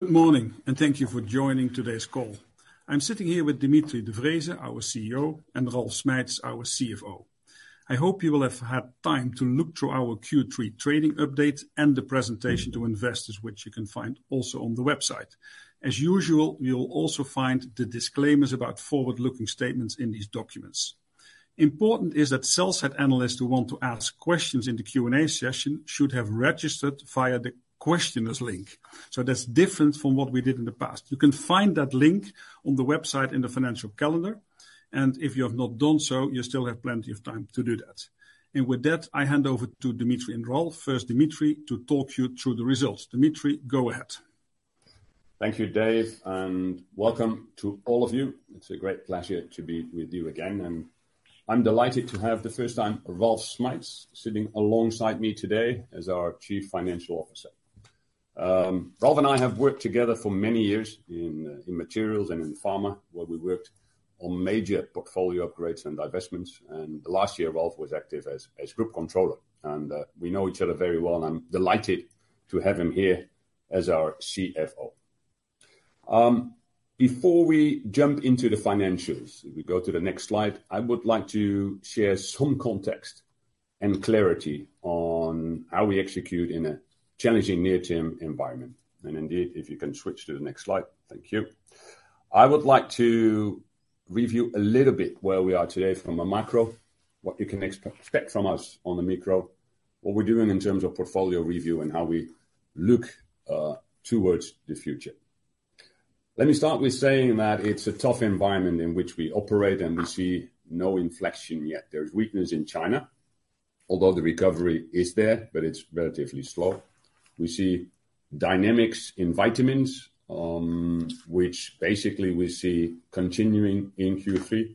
Good morning, and thank you for joining today's call. I'm sitting here with Dimitri de Vreeze, our CEO, and Ralf Schmeitz, our CFO. I hope you will have had time to look through our Q3 trading update and the presentation to investors, which you can find also on the website. As usual, you'll also find the disclaimers about forward-looking statements in these documents. Important is that sell-side analysts who want to ask questions in the Q&A session should have registered via the questioner's link, so that's different from what we did in the past. You can find that link on the website in the financial calendar, and if you have not done so, you still have plenty of time to do that. And with that, I hand over to Dimitri and Ralf. First, Dimitri, to talk you through the results. Dimitri, go ahead. Thank you, Dave, and welcome to all of you. It's a great pleasure to be with you again, and I'm delighted to have the first time Ralf Schmeitz sitting alongside me today as our Chief Financial Officer. Ralf and I have worked together for many years in, in materials and in pharma, where we worked on major portfolio upgrades and divestments. Last year, Ralf was active as, as group controller, and, we know each other very well, and I'm delighted to have him here as our CFO. Before we jump into the financials, if we go to the next slide, I would like to share some context and clarity on how we execute in a challenging near-term environment. Indeed, if you can switch to the next slide. Thank you. I would like to review a little bit where we are today from a macro, what you can expect from us on the micro, what we're doing in terms of portfolio review, and how we look towards the future. Let me start with saying that it's a tough environment in which we operate, and we see no inflection yet. There's weakness in China, although the recovery is there, but it's relatively slow. We see dynamics in vitamins, which basically we see continuing in Q3.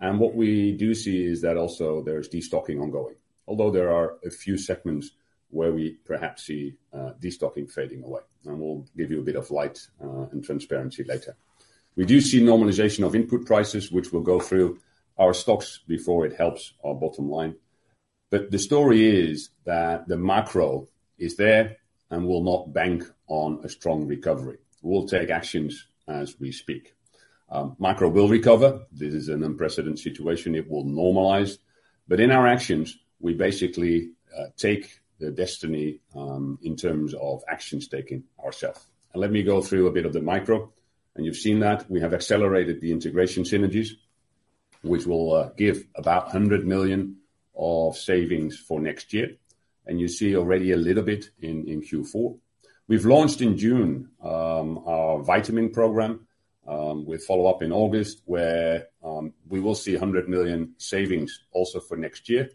And what we do see is that also there's destocking ongoing, although there are a few segments where we perhaps see destocking fading away, and we'll give you a bit of light and transparency later. We do see normalization of input prices, which we'll go through our stocks before it helps our bottom line. But the story is that the macro is there and will not bank on a strong recovery. We'll take actions as we speak. Macro will recover. This is an unprecedented situation. It will normalize, but in our actions, we basically take the destiny in terms of actions taken ourself. And let me go through a bit of the micro. And you've seen that we have accelerated the integration synergies, which will give about 100 million of savings for next year. And you see already a little bit in Q4. We've launched in June our vitamin program with follow-up in August, where we will see 100 million savings also for next year,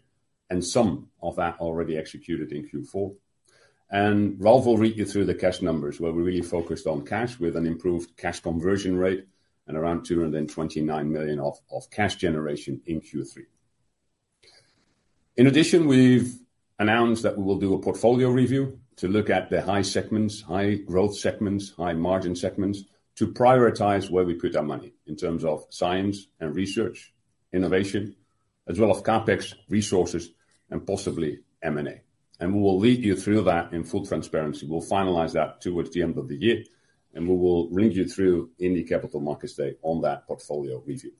and some of that already executed in Q4. Ralf will read you through the cash numbers, where we really focused on cash with an improved cash conversion rate and around 229 million of cash generation in Q3. In addition, we've announced that we will do a portfolio review to look at the high segments, high growth segments, high margin segments, to prioritize where we put our money in terms of science and research, innovation, as well as CapEx, resources, and possibly M&A. We will lead you through that in full transparency. We'll finalize that towards the end of the year, and we will lead you through any capital markets day on that portfolio review.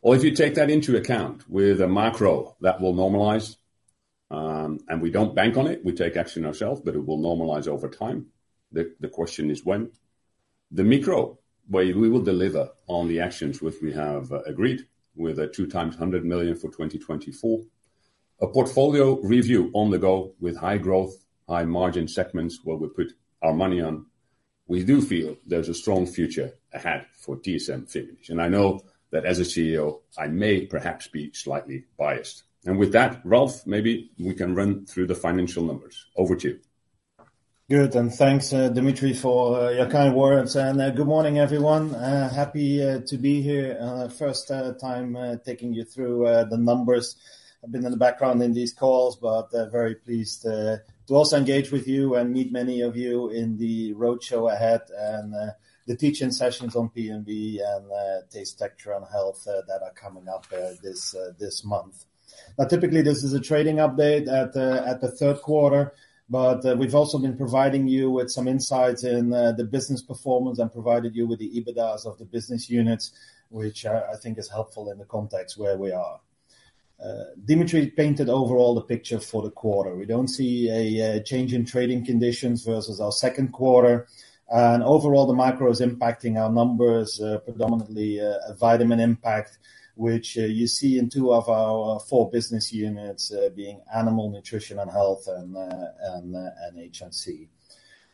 Or if you take that into account with a macro that will normalize, and we don't bank on it, we take action ourselves, but it will normalize over time. The question is when? The micro, where we will deliver on the actions which we have agreed with 200 million for 2024. A portfolio review on the go with high growth, high margin segments, where we put our money on. We do feel there's a strong future ahead for dsm-firmenich, and I know that as a CEO, I may perhaps be slightly biased. And with that, Ralf, maybe we can run through the financial numbers. Over to you. Good, and thanks, Dimitri, for your kind words, and, good morning, everyone. Happy to be here. First time taking you through the numbers. I've been in the background in these calls, but, very pleased to also engage with you and meet many of you in the roadshow ahead, and, the teaching sessions on P&B and Taste, Texture & Health, that are coming up, this month. Now, typically, this is a trading update at the third quarter, but, we've also been providing you with some insights in the business performance and provided you with the EBITDAs of the business units, which I think is helpful in the context where we are. Dimitri painted overall the picture for the quarter. We don't see a change in trading conditions versus our second quarter. Overall, the macro is impacting our numbers, predominantly a vitamin impact, which you see in two of our four business units, being Animal Nutrition and Health and HNC.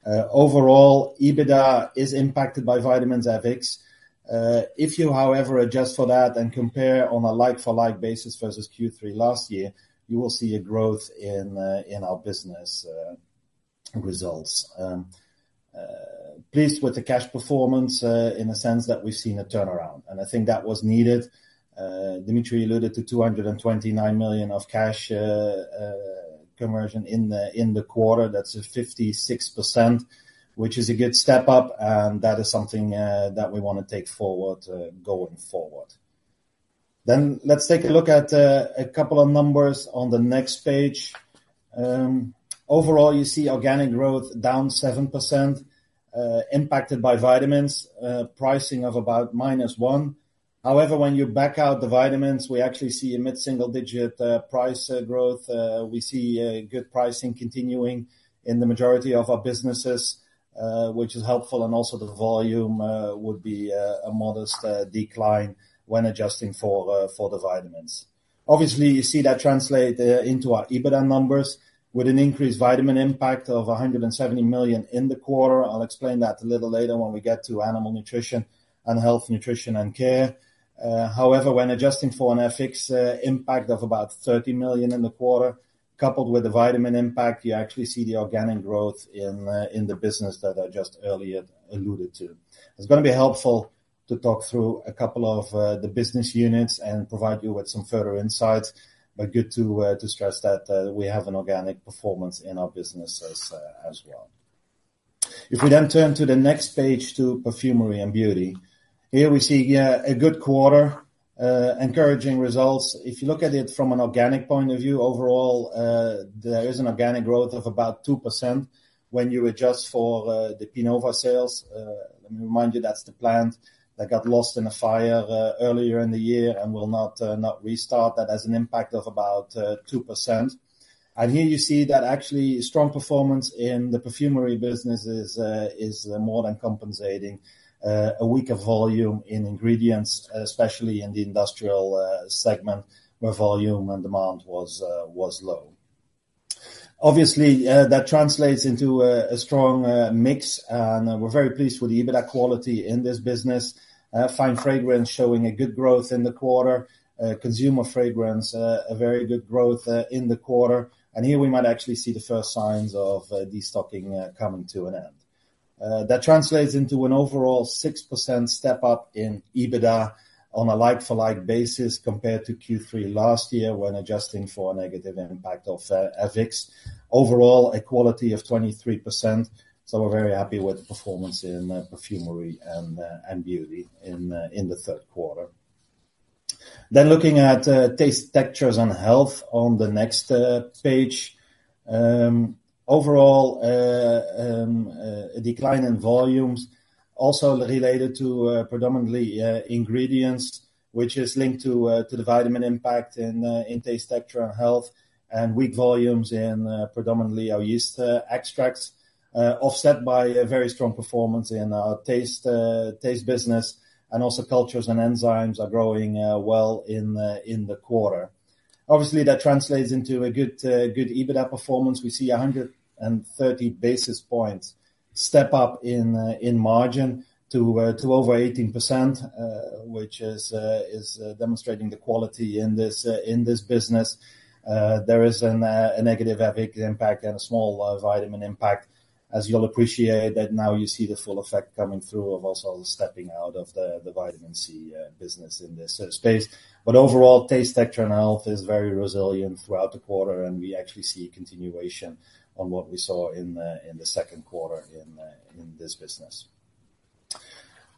Overall, EBITDA is impacted by vitamins FX. If you, however, adjust for that and compare on a like-for-like basis versus Q3 last year, you will see a growth in our business results. Pleased with the cash performance, in the sense that we've seen a turnaround, and I think that was needed. Dimitri alluded to 229 million of cash conversion in the quarter. That's a 56%, which is a good step up, and that is something that we wanna take forward, going forward. Then let's take a look at a couple of numbers on the next page. Overall, you see organic growth down 7%, impacted by vitamins pricing of about -1%. However, when you back out the vitamins, we actually see a mid-single digit price growth. We see a good pricing continuing in the majority of our businesses, which is helpful, and also the volume would be a modest decline when adjusting for the vitamins. Obviously, you see that translate into our EBITDA numbers with an increased vitamin impact of 170 million in the quarter. I'll explain that a little later when we get to Animal Nutrition and Health, Nutrition and Care. However, when adjusting for an FX impact of about 30 million in the quarter, coupled with the vitamin impact, you actually see the organic growth in, in the business that I just earlier alluded to. It's gonna be helpful to talk through a couple of, the business units and provide you with some further insights, but good to, to stress that, we have an organic performance in our businesses, as well. If we then turn to the next page, to Perfumery and Beauty, here we see, yeah, a good quarter, encouraging results. If you look at it from an organic point of view, overall, there is an organic growth of about 2% when you adjust for, the Pinova sales. Let me remind you, that's the plant that got lost in a fire earlier in the year and will not restart. That has an impact of about 2%. Here you see that actually strong performance in the Perfumery business is more than compensating a weaker volume in ingredients, especially in the industrial segment, where volume and demand was low. Obviously, that translates into a strong mix, and we're very pleased with the EBITDA quality in this business. Fine Fragrance showing a good growth in the quarter. Consumer Fragrance a very good growth in the quarter, and here we might actually see the first signs of destocking coming to an end. That translates into an overall 6% step-up in EBITDA on a like-for-like basis compared to Q3 last year, when adjusting for a negative impact of FX. Overall, a quality of 23%, so we're very happy with the performance in Perfumery and Beauty in the third quarter. Then looking at Taste, Texture and Health on the next page. Overall, a decline in volumes also related to predominantly ingredients, which is linked to the vitamin impact in Taste, Texture and Health, and weak volumes in predominantly our yeast extracts. Offset by a very strong performance in our Taste business, and also Cultures and Enzymes are growing well in the quarter. Obviously, that translates into a good EBITDA performance. We see 130 basis points step up in margin to over 18%, which is demonstrating the quality in this business. There is a negative FX impact and a small vitamin impact. As you'll appreciate that now you see the full effect coming through of also stepping out of the Vitamin C business in this space. But overall, Taste, Texture, and Health is very resilient throughout the quarter, and we actually see a continuation on what we saw in the second quarter in this business.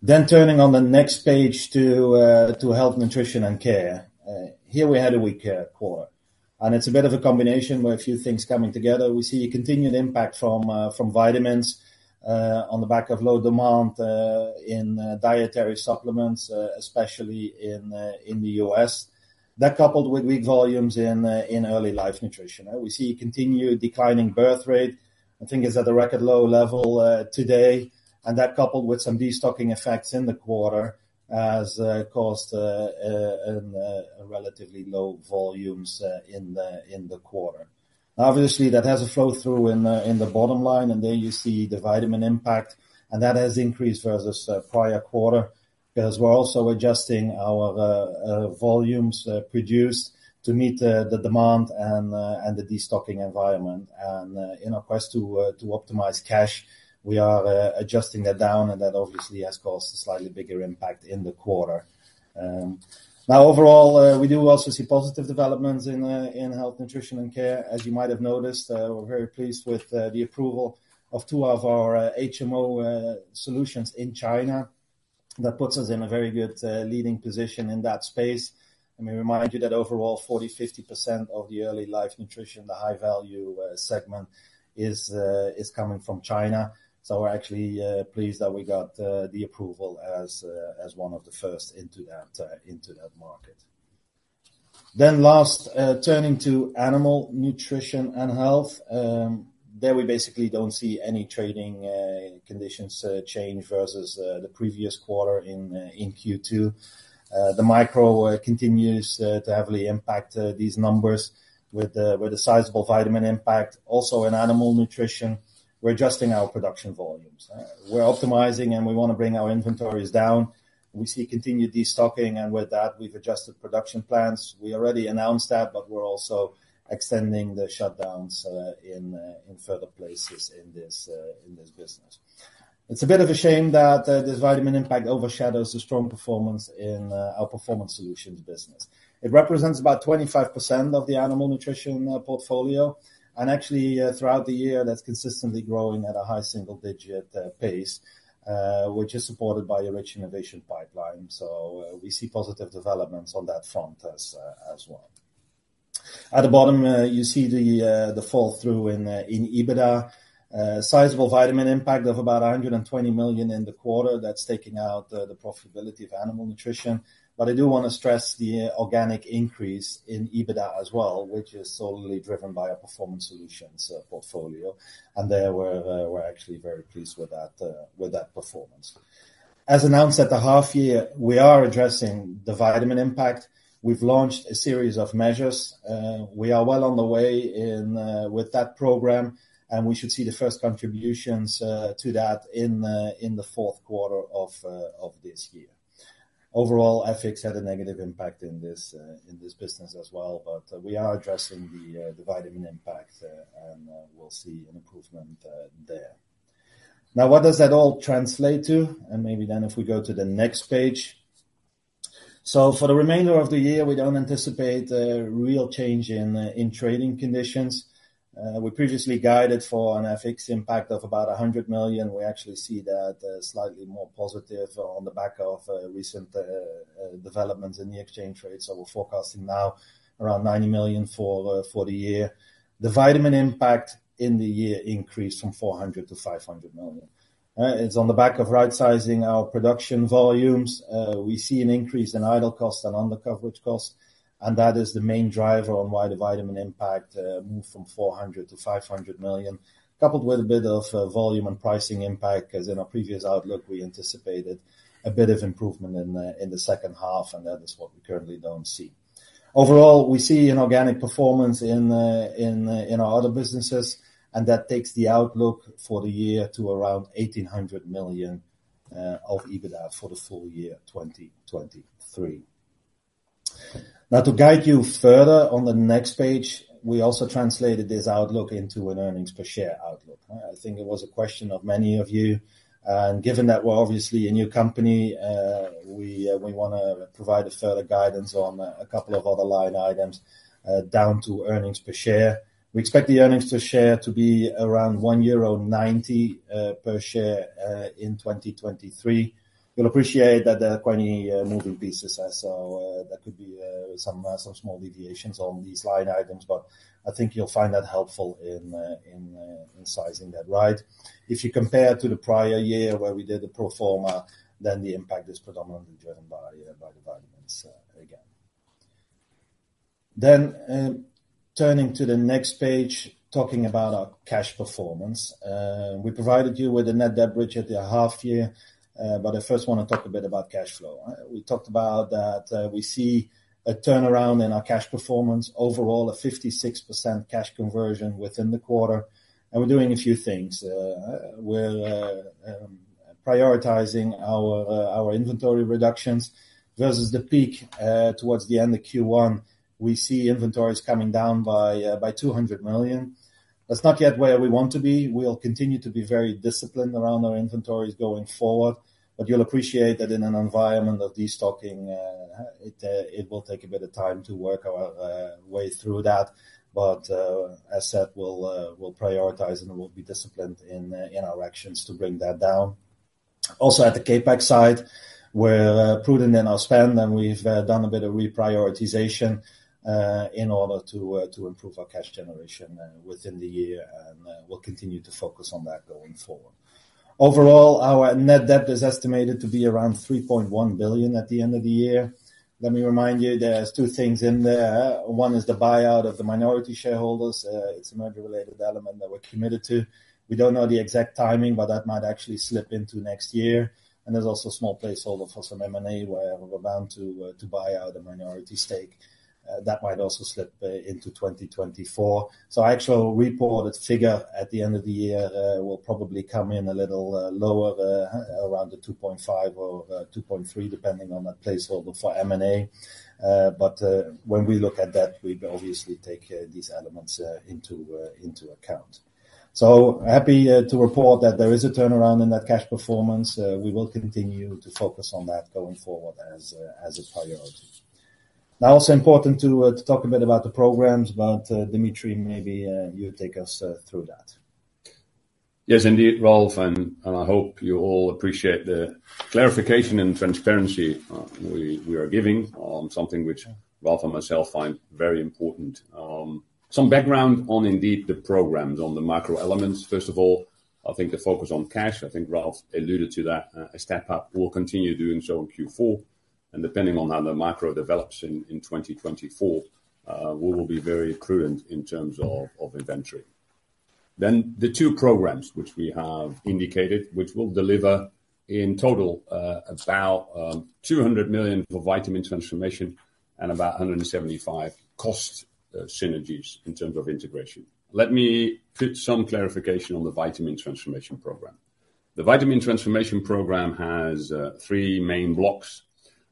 Then turning on the next page to Health, Nutrition, and Care. Here we had a weak core, and it's a bit of a combination with a few things coming together. We see a continued impact from vitamins on the back of low demand in Dietary Supplements, especially in the U.S. That, coupled with weak volumes in Early Life Nutrition. We see continued declining birth rate. I think it's at a record low level today, and that, coupled with some destocking effects in the quarter, has caused relatively low volumes in the quarter. Obviously, that has a flow-through in the bottom line, and there you see the vitamin impact, and that has increased versus prior quarter. Because we're also adjusting our volumes produced to meet the demand and the destocking environment. In our quest to optimize cash, we are adjusting that down, and that obviously has caused a slightly bigger impact in the quarter. Now overall, we do also see positive developments in Health, Nutrition & Care. As you might have noticed, we're very pleased with the approval of two of our HMO solutions in China. That puts us in a very good leading position in that space. Let me remind you that overall, 40%-50% of the Early Life Nutrition, the high-value segment is coming from China. So we're actually pleased that we got the approval as one of the first into that market. Then last, turning to Animal Nutrition and Health, there we basically don't see any trading conditions change versus the previous quarter in Q2. The macro continues to heavily impact these numbers with a sizable vitamin impact. Also, in Animal Nutrition, we're adjusting our production volumes. We're optimizing, and we want to bring our inventories down. We see continued destocking, and with that, we've adjusted production plans. We already announced that, but we're also extending the shutdowns in further places in this business. It's a bit of a shame that this vitamin impact overshadows the strong performance in our Performance Solutions business. It represents about 25% of the animal nutrition portfolio, and actually, throughout the year, that's consistently growing at a high single-digit pace, which is supported by a rich innovation pipeline. So, we see positive developments on that front as well. At the bottom, you see the fall through in EBITDA. Sizable vitamin impact of about 120 million in the quarter. That's taking out the profitability of animal nutrition. But I do want to stress the organic increase in EBITDA as well, which is solely driven by our performance solutions portfolio. And there we're actually very pleased with that performance. As announced at the half year, we are addressing the vitamin impact. We've launched a series of measures, we are well on the way in, with that program, and we should see the first contributions, to that in the fourth quarter of this year. Overall, FX had a negative impact in this, in this business as well, but, we are addressing the, the vitamin impact, and, we'll see an improvement, there. Now, what does that all translate to? Maybe then if we go to the next page. So for the remainder of the year, we don't anticipate a real change in, in trading conditions. We previously guided for an FX impact of about 100 million. We actually see that, slightly more positive on the back of, recent, developments in the exchange rate. So we're forecasting now around 90 million for the year. The vitamin impact in the year increased from 400 million to 500 million. It's on the back of right sizing our production volumes, we see an increase in idle costs and undercoverage costs, and that is the main driver on why the vitamin impact moved from 400 million to 500 million, coupled with a bit of volume and pricing impact. As in our previous outlook, we anticipated a bit of improvement in the second half, and that is what we currently don't see. Overall, we see an organic performance in our other businesses, and that takes the outlook for the year to around 1,800 million of EBITDA for the full year, 2023. Now, to guide you further on the next page, we also translated this outlook into an earnings per share outlook. I think it was a question of many of you, and given that we're obviously a new company, we wanna provide a further guidance on a couple of other line items, down to earnings per share. We expect the earnings per share to be around 1.90 euro per share in 2023. You'll appreciate that there are quite a many moving pieces, so there could be some small deviations on these line items, but I think you'll find that helpful in sizing that right. If you compare to the prior year where we did the pro forma, then the impact is predominantly driven by the vitamins, again. Then, turning to the next page, talking about our cash performance. We provided you with a net debt bridge at the half year, but I first want to talk a bit about cash flow. We talked about that, we see a turnaround in our cash performance. Overall, a 56% cash conversion within the quarter, and we're doing a few things. We're prioritizing our inventory reductions versus the peak, towards the end of Q1, we see inventories coming down by 200 million. That's not yet where we want to be. We'll continue to be very disciplined around our inventories going forward, but you'll appreciate that in an environment of destocking, it will take a bit of time to work our way through that. As said, we'll prioritize and we'll be disciplined in our actions to bring that down. Also, at the CapEx side, we're prudent in our spend, and we've done a bit of reprioritization in order to improve our cash generation within the year, and we'll continue to focus on that going forward. Overall, our net debt is estimated to be around 3.1 billion at the end of the year. Let me remind you, there's two things in there. One is the buyout of the minority shareholders. It's a merger-related element that we're committed to. We don't know the exact timing, but that might actually slip into next year. And there's also a small placeholder for some M&A, where we're bound to, to buy out a minority stake, that might also slip, into 2024. So actual reported figure at the end of the year, will probably come in a little, lower, around the 2.5 or 2.3, depending on the placeholder for M&A. But, when we look at that, we obviously take, these elements, into, into account. So happy, to report that there is a turnaround in that cash performance. We will continue to focus on that going forward as a, as a priority. Now, also important to, to talk a bit about the programs, but, Dimitri, maybe, you take us, through that. Yes, indeed, Ralf, and I hope you all appreciate the clarification and transparency we are giving on something which Ralf and myself find very important. Some background on indeed, the programs on the micro elements. First of all, I think the focus on cash. I think Ralf alluded to that, a step up. We'll continue doing so in Q4, and depending on how the micro develops in 2024, we will be very prudent in terms of inventory. Then the two programs which we have indicated, which will deliver in total, about 200 million for vitamin transformation and about 175 cost synergies in terms of integration. Let me give some clarification on the vitamin transformation program. The vitamin transformation program has three main blocks.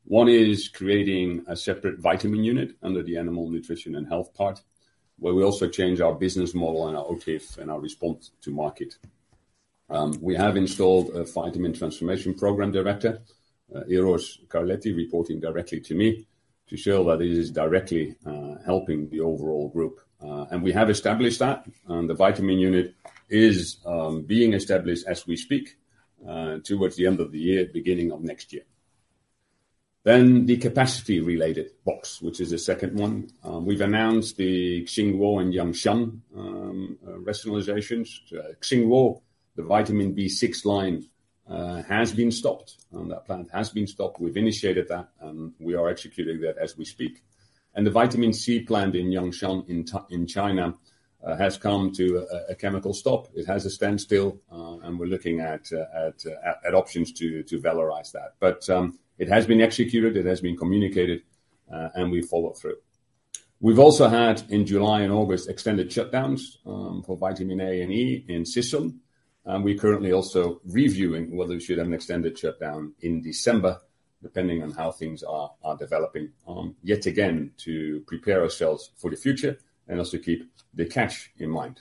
One is creating a separate vitamin unit under the Animal Nutrition and Health part, where we also change our business model and our OTIF and our response to market. We have installed a vitamin transformation program director, Eros Carletti, reporting directly to me, to show that it is directly helping the overall group. And we have established that, and the vitamin unit is being established as we speak, towards the end of the year, beginning of next year. Then the capacity-related box, which is the second one. We've announced the Xinghuo and Jiangshan rationalizations. Xinghuo, the vitamin B6 line, has been stopped, and that plant has been stopped. We've initiated that, and we are executing that as we speak. And the vitamin C plant in Jiangshan, in China, has come to a chemical stop. It has a standstill, and we're looking at options to valorize that. But, it has been executed, it has been communicated, and we follow through. We've also had, in July and August, extended shutdowns for vitamin A and E in Sisseln. And we're currently also reviewing whether we should have an extended shutdown in December, depending on how things are developing, yet again, to prepare ourselves for the future and also keep the cash in mind.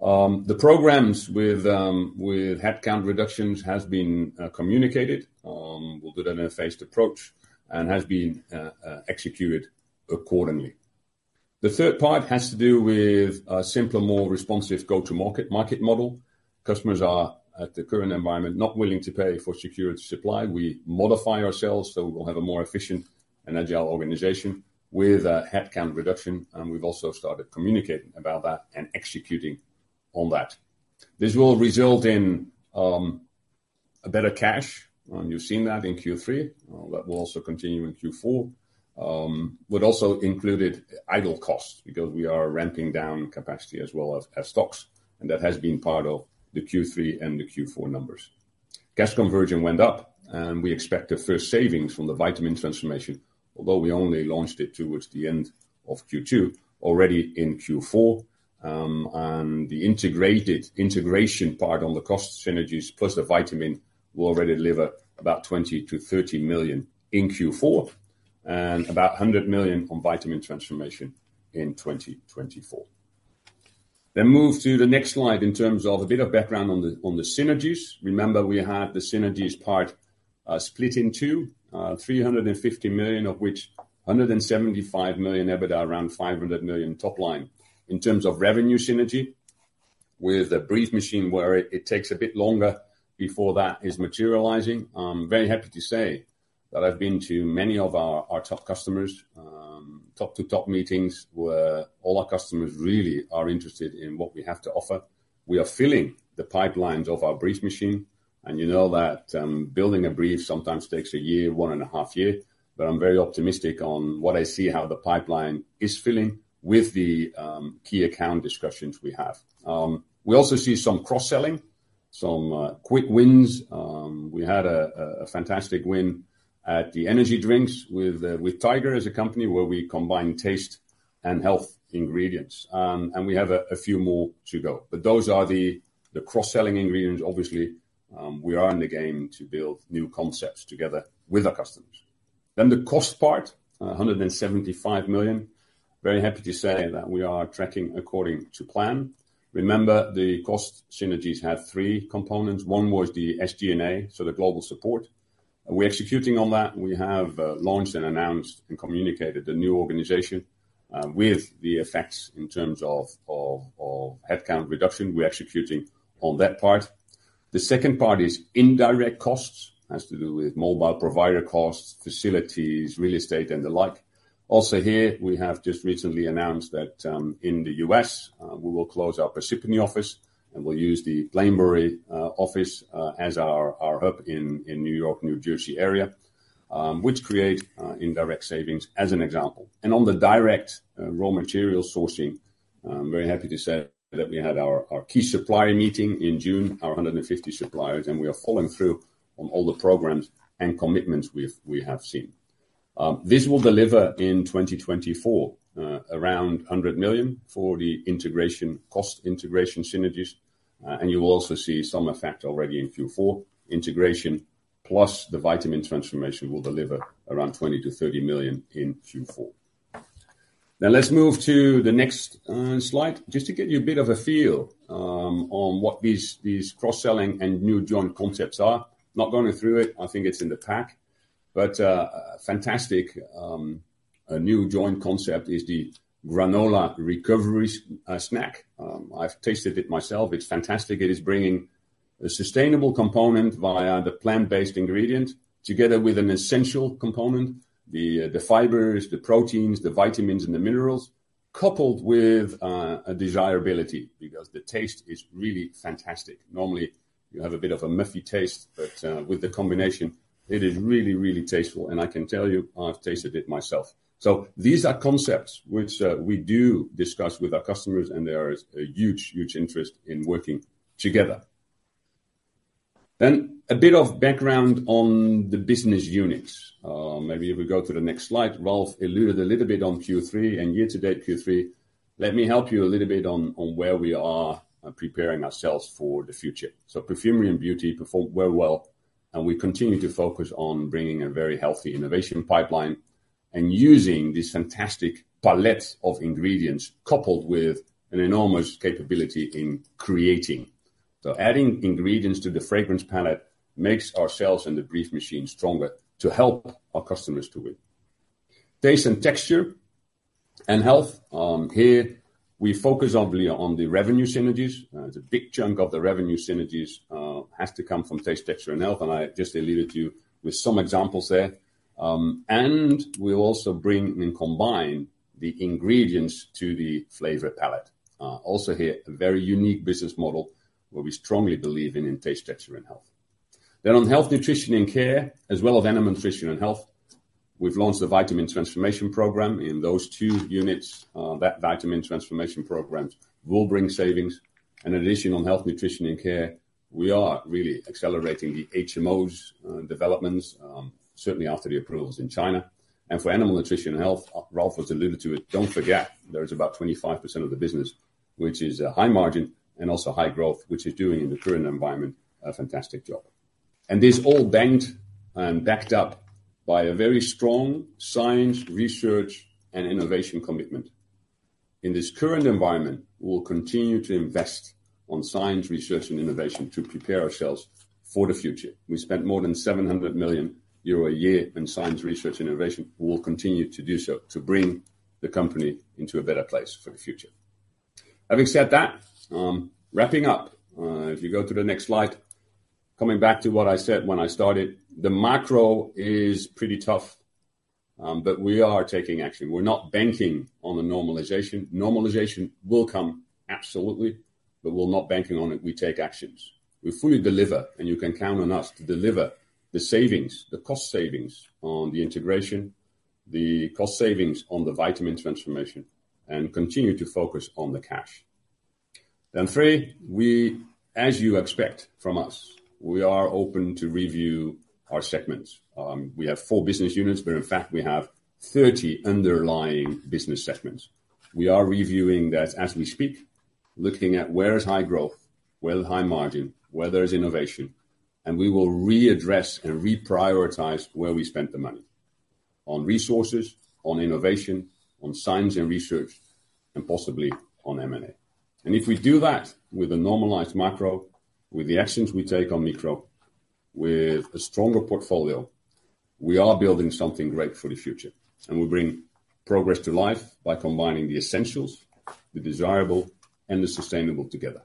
The programs with headcount reductions has been communicated. We'll do that in a phased approach and has been executed accordingly. The third part has to do with a simpler, more responsive go-to-market model. Customers are, at the current environment, not willing to pay for secured supply. We modify ourselves, so we'll have a more efficient and agile organization with a headcount reduction, and we've also started communicating about that and executing on that. This will result in a better cash, and you've seen that in Q3. That will also continue in Q4. But also included idle costs, because we are ramping down capacity as well as stocks, and that has been part of the Q3 and the Q4 numbers. Cash conversion went up, and we expect the first savings from the vitamin transformation, although we only launched it towards the end of Q2, already in Q4. And the integrated, integration part on the cost synergies, plus the vitamin, will already deliver about 20-30 million in Q4, and about 100 million on vitamin transformation in 2024. Then move to the next slide in terms of a bit of background on the synergies. Remember, we had the synergies part, split in two. 350 million, of which 175 million EBITDA, around 500 million top line. In terms of revenue synergy, with the brief machine, where it takes a bit longer before that is materializing, I'm very happy to say that I've been to many of our top customers. Top-to-top meetings, where all our customers really are interested in what we have to offer. We are filling the pipelines of our brief machine, and you know that, building a brief sometimes takes a year, one and a half year. But I'm very optimistic on what I see how the pipeline is filling with the key account discussions we have. We also see some cross-selling, some quick wins. We had a fantastic win at the energy drinks with Tiger as a company, where we combine taste and health ingredients. And we have a few more to go. But those are the cross-selling ingredients. Obviously, we are in the game to build new concepts together with our customers. Then the cost part, 175 million. Very happy to say that we are tracking according to plan. Remember, the cost synergies had three components. One was the SG&A, so the global support. We're executing on that. We have launched and announced and communicated the new organization, with the effects in terms of headcount reduction. We're executing on that part. The second part is indirect costs. has to do with mobile provider costs, facilities, real estate, and the like. Also here, we have just recently announced that in the U.S., we will close our Parsippany office, and we'll use the Plainsboro office as our hub in the New York, New Jersey area, which create indirect savings as an example. On the direct raw material sourcing, I'm very happy to say that we had our key supplier meeting in June, our 150 suppliers, and we are following through on all the programs and commitments we've seen. This will deliver in 2024 around 100 million for the integration, cost integration synergies, and you will also see some effect already in Q4. Integration, plus the vitamin transformation, will deliver around 20 million-30 million in Q4. Now let's move to the next slide, just to get you a bit of a feel on what these cross-selling and new joint concepts are. Not going through it, I think it's in the pack, but fantastic. A new joint concept is the Granola recovery snack. I've tasted it myself. It's fantastic. It is bringing a sustainable component via the plant-based ingredient, together with an essential component, the fibers, the proteins, the vitamins, and the minerals, coupled with a desirability, because the taste is really fantastic. Normally, you have a bit of a muffy taste, but with the combination, it is really, really tasteful, and I can tell you, I've tasted it myself. So these are concepts which we do discuss with our customers, and there is a huge, huge interest in working together. Then a bit of background on the business units. Maybe if we go to the next slide. Ralf alluded a little bit on Q3 and year-to-date Q3. Let me help you a little bit on, on where we are preparing ourselves for the future. So Perfumery and Beauty performed very well, and we continue to focus on bringing a very healthy innovation pipeline... and using this fantastic palette of ingredients, coupled with an enormous capability in creating. So adding ingredients to the fragrance palette makes ourselves and the brief machine stronger to help our customers to win. Taste, and Texture, and Health, here we focus only on the revenue synergies. The big chunk of the revenue synergies has to come from Taste, Texture, and Health, and I just alluded to you with some examples there. And we'll also bring and combine the ingredients to the flavor palette. Also here, a very unique business model where we strongly believe in Taste, Texture and Health. Then on Health, Nutrition and Care, as well as Animal Nutrition and Health, we've launched the vitamin transformation program in those two units. That vitamin transformation programs will bring savings. In addition, on Health, Nutrition and Care, we are really accelerating the HMOs developments, certainly after the approvals in China. And for Animal Nutrition and Health, Ralf has alluded to it. Don't forget, there is about 25% of the business, which is a high margin and also high growth, which is doing in the current environment, a fantastic job. And this all banked and backed up by a very strong science, research, and innovation commitment. In this current environment, we'll continue to invest on science, research, and innovation to prepare ourselves for the future. We spent more than 700 million euro a year in science, research, innovation. We will continue to do so to bring the company into a better place for the future. Having said that, wrapping up, if you go to the next slide. Coming back to what I said when I started, the macro is pretty tough, but we are taking action. We're not banking on the normalization. Normalization will come, absolutely, but we're not banking on it. We take actions. We fully deliver, and you can count on us to deliver the savings, the cost savings on the integration, the cost savings on the vitamin transformation, and continue to focus on the cash. Then three, we, as you expect from us, we are open to review our segments. We have four business units, but in fact, we have 30 underlying business segments. We are reviewing that as we speak, looking at where is high growth, where is high margin, where there is innovation, and we will readdress and reprioritize where we spend the money, on resources, on innovation, on science and research, and possibly on M&A. And if we do that with a normalized macro, with the actions we take on micro, with a stronger portfolio, we are building something great for the future, and we bring progress to life by combining the essentials, the desirable, and the sustainable together.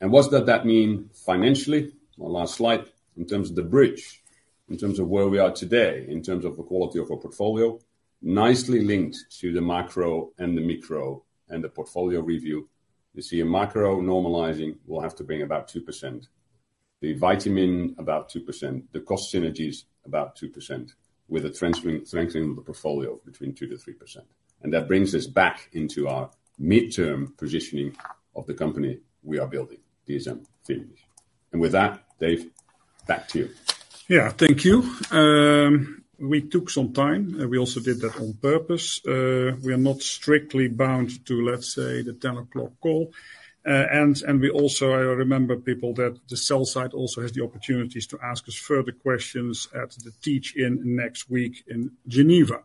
And what does that mean financially? My last slide, in terms of the bridge, in terms of where we are today, in terms of the quality of our portfolio, nicely linked to the macro and the micro, and the portfolio review. You see, a macro normalizing will have to bring about 2%, the vitamin about 2%, the cost synergies about 2%, with the transformation strengthening of the portfolio between 2%-3%. And that brings us back into our mid-term positioning of the company we are building, dsm-firmenich. And with that, Dave, back to you. Yeah, thank you. We took some time, and we also did that on purpose. We are not strictly bound to, let's say, the 10 o'clock call. And we also, I remember people that the sell-side also has the opportunities to ask us further questions at the Teach-In next week in Geneva.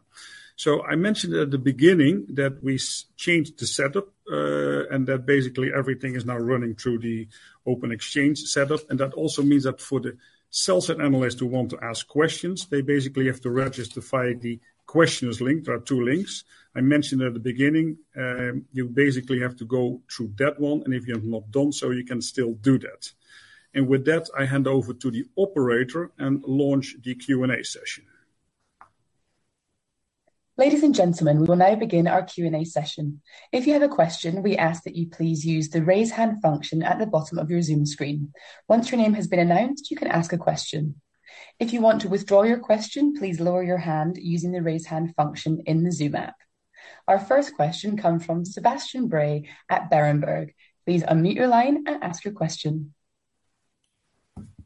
So I mentioned at the beginning that we changed the setup, and that basically everything is now running through the Open Exchange setup, and that also means that for the sell-side analysts who want to ask questions, they basically have to register via the questions link. There are two links. I mentioned at the beginning, you basically have to go through that one, and if you have not done so, you can still do that. And with that, I hand over to the operator and launch the Q&A session. Ladies and gentlemen, we will now begin our Q&A session. If you have a question, we ask that you please use the Raise Hand function at the bottom of your Zoom screen. Once your name has been announced, you can ask a question. If you want to withdraw your question, please lower your hand using the Raise Hand function in the Zoom app. Our first question comes from Sebastian Bray at Berenberg. Please unmute your line and ask your question.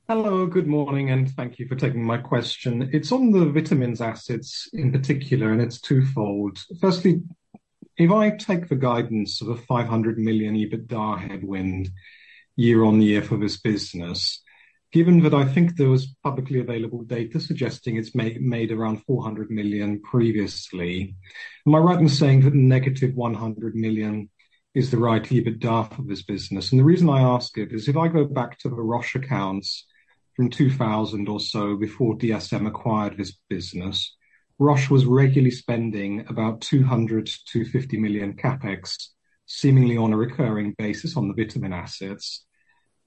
Hello, good morning, and thank you for taking my question. It's on the vitamins assets in particular, and it's twofold. Firstly, if I take the guidance of a 500 million EBITDA headwind year-on-year for this business, given that I think there was publicly available data suggesting it's made around 400 million previously, am I right in saying that -100 million is the right EBITDA for this business? And the reason I ask it is, if I go back to the Roche accounts from 2000 or so, before DSM acquired this business, Roche was regularly spending about 200 million-250 million CapEx, seemingly on a recurring basis on the vitamin assets.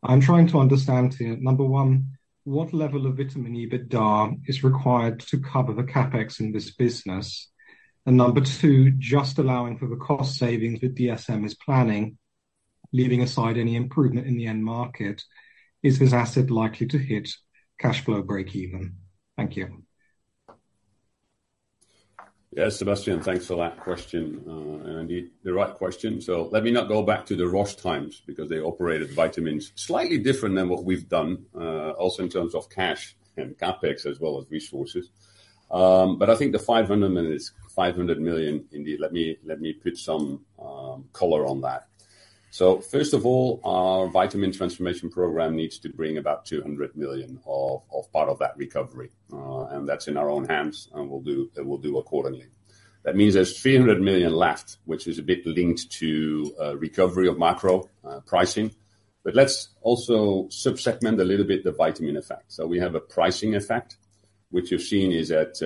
I'm trying to understand here, number one, what level of vitamin EBITDA is required to cover the CapEx in this business? Number two, just allowing for the cost savings that DSM is planning, leaving aside any improvement in the end market, is this asset likely to hit cash flow breakeven? Thank you. Yes, Sebastian, thanks for that question. And indeed, the right question. So let me not go back to the Roche times because they operated vitamins slightly different than what we've done, also in terms of cash and CapEx, as well as resources. But I think the 500 million, is 500 million, indeed. Let me, let me put some color on that. So first of all, our vitamin transformation program needs to bring about 200 million of part of that recovery. And that's in our own hands, and we'll do, and we'll do accordingly. That means there's 300 million left, which is a bit linked to recovery of macro pricing. But let's also sub-segment a little bit the vitamin effect. So we have a pricing effect, which you've seen is at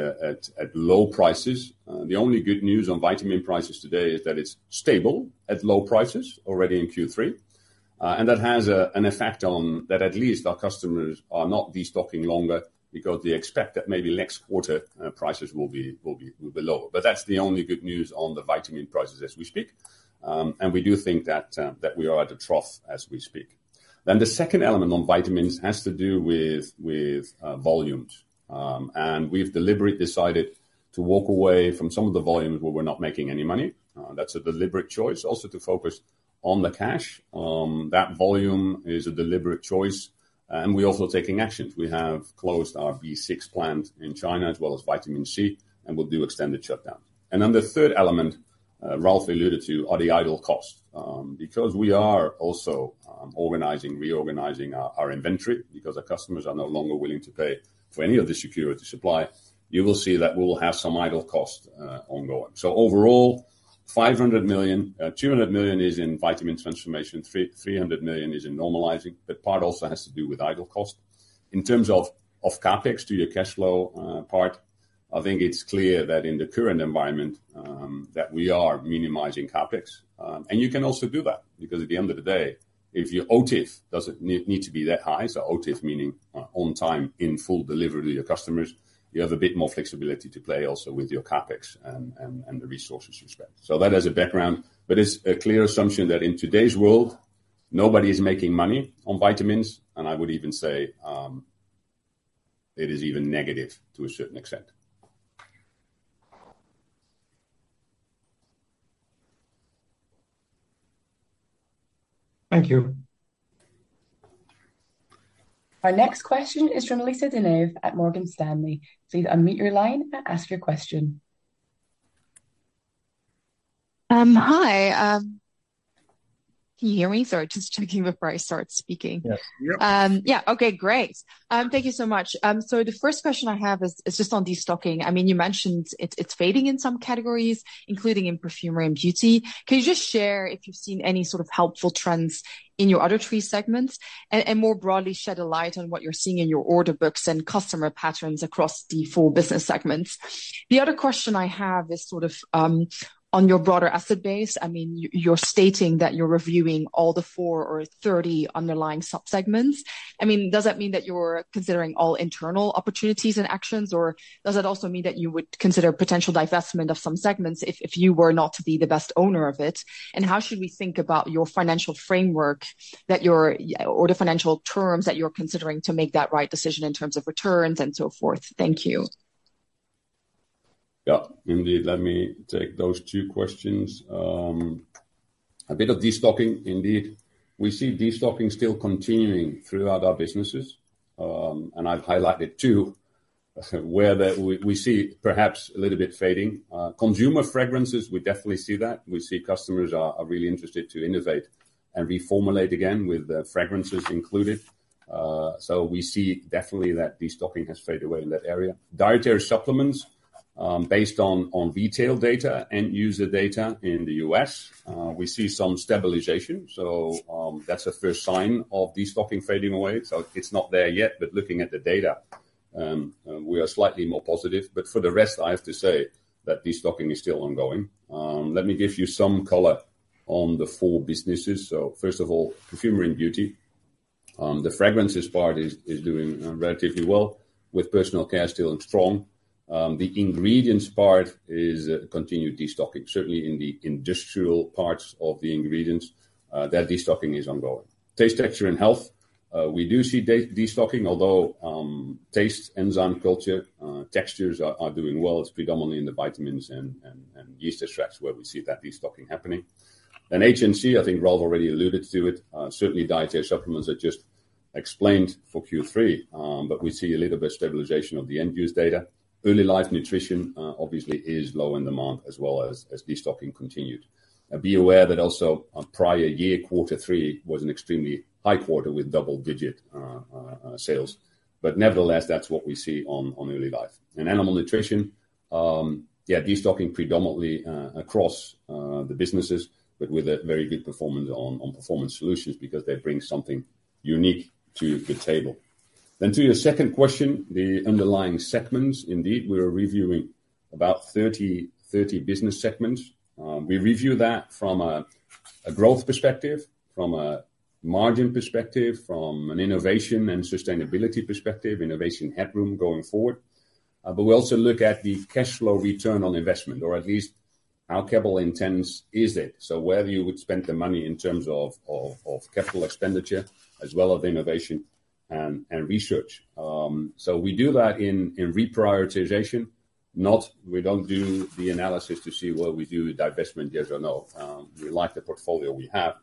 low prices. The only good news on vitamin prices today is that it's stable at low prices already in Q3. And that has an effect on... That at least our customers are not destocking longer because they expect that maybe next quarter prices will be lower. But that's the only good news on the vitamin prices as we speak. And we do think that we are at a trough as we speak. Then the second element on vitamins has to do with volumes. And we've deliberately decided to walk away from some of the volumes where we're not making any money. That's a deliberate choice, also to focus on the cash. That volume is a deliberate choice, and we're also taking actions. We have closed our B6 plant in China, as well as vitamin C, and we'll do extended shutdown. And then the third element, Ralf alluded to, are the idle costs. Because we are also organizing, reorganizing our inventory, because our customers are no longer willing to pay for any of the security supply, you will see that we will have some idle costs ongoing. So overall, 500 million, 200 million is in vitamin transformation, 300 million is in normalizing, but part also has to do with idle costs. In terms of CapEx to your cash flow, part, I think it's clear that in the current environment, that we are minimizing CapEx. You can also do that, because at the end of the day, if your OTIF doesn't need to be that high, so OTIF meaning On-Time In-Full delivery to your customers, you have a bit more flexibility to play also with your CapEx and the resources you spend. So that is a background, but it's a clear assumption that in today's world, nobody is making money on vitamins, and I would even say it is even negative to a certain extent. Thank you. Our next question is from Lisa De Neve at Morgan Stanley. Please unmute your line and ask your question. Hi. Can you hear me? Sorry, just checking before I start speaking. Yes. Yep. Yeah. Okay, great. Thank you so much. So the first question I have is just on destocking. I mean, you mentioned it's fading in some categories, including in Perfumery and Beauty. Can you just share if you've seen any sort of helpful trends in your other three segments? And more broadly, shed a light on what you're seeing in your order books and customer patterns across the four business segments. The other question I have is sort of on your broader asset base. I mean, you, you're stating that you're reviewing all the four or 30 underlying subsegments. I mean, does that mean that you're considering all internal opportunities and actions, or does it also mean that you would consider potential divestment of some segments if you were not to be the best owner of it? How should we think about your financial framework, that you're, or the financial terms that you're considering to make that right decision in terms of returns and so forth? Thank you. Yeah, indeed. Let me take those two questions. A bit of destocking, indeed. We see destocking still continuing throughout our businesses, and I've highlighted two where we see perhaps a little bit fading. Consumer Fragrances, we definitely see that. We see customers are really interested to innovate and reformulate again with fragrances included. So we see definitely that destocking has faded away in that area. Dietary Supplements, based on retail data, end user data in the U.S., we see some stabilization. So, that's a first sign of destocking fading away. So it's not there yet, but looking at the data, we are slightly more positive. But for the rest, I have to say that destocking is still ongoing. Let me give you some color on the four businesses. So first of all, Perfumery and Beauty. The fragrances part is doing relatively well, with personal care still strong. The ingredients part is continued destocking, certainly in the industrial parts of the ingredients, that destocking is ongoing. Taste, Texture, and Health, we do see destocking, although Taste, Enzyme, Culture, Textures are doing well. It's predominantly in the vitamins and yeast extracts where we see that destocking happening. And HNC, I think Ralf already alluded to it. Certainly Dietary Supplements are just explained for Q3, but we see a little bit of stabilization of the end use data. Early Life Nutrition, obviously, is low in demand, as well as destocking continued. Be aware that also on prior year, quarter three was an extremely high quarter with double-digit sales. But nevertheless, that's what we see on Early Life. In Animal Nutrition, destocking predominantly across the businesses, but with a very good performance on Performance Solutions because they bring something unique to the table. Then to your second question, the underlying segments. Indeed, we are reviewing about 30 business segments. We review that from a growth perspective, from a margin perspective, from an innovation and sustainability perspective, innovation headroom going forward. But we also look at the cash flow return on investment, or at least how capital intense is it? So where you would spend the money in terms of capital expenditure as well as innovation and research. So we do that in reprioritization. No, we don't do the analysis to see where we do divestment, yes or no. We like the portfolio we have,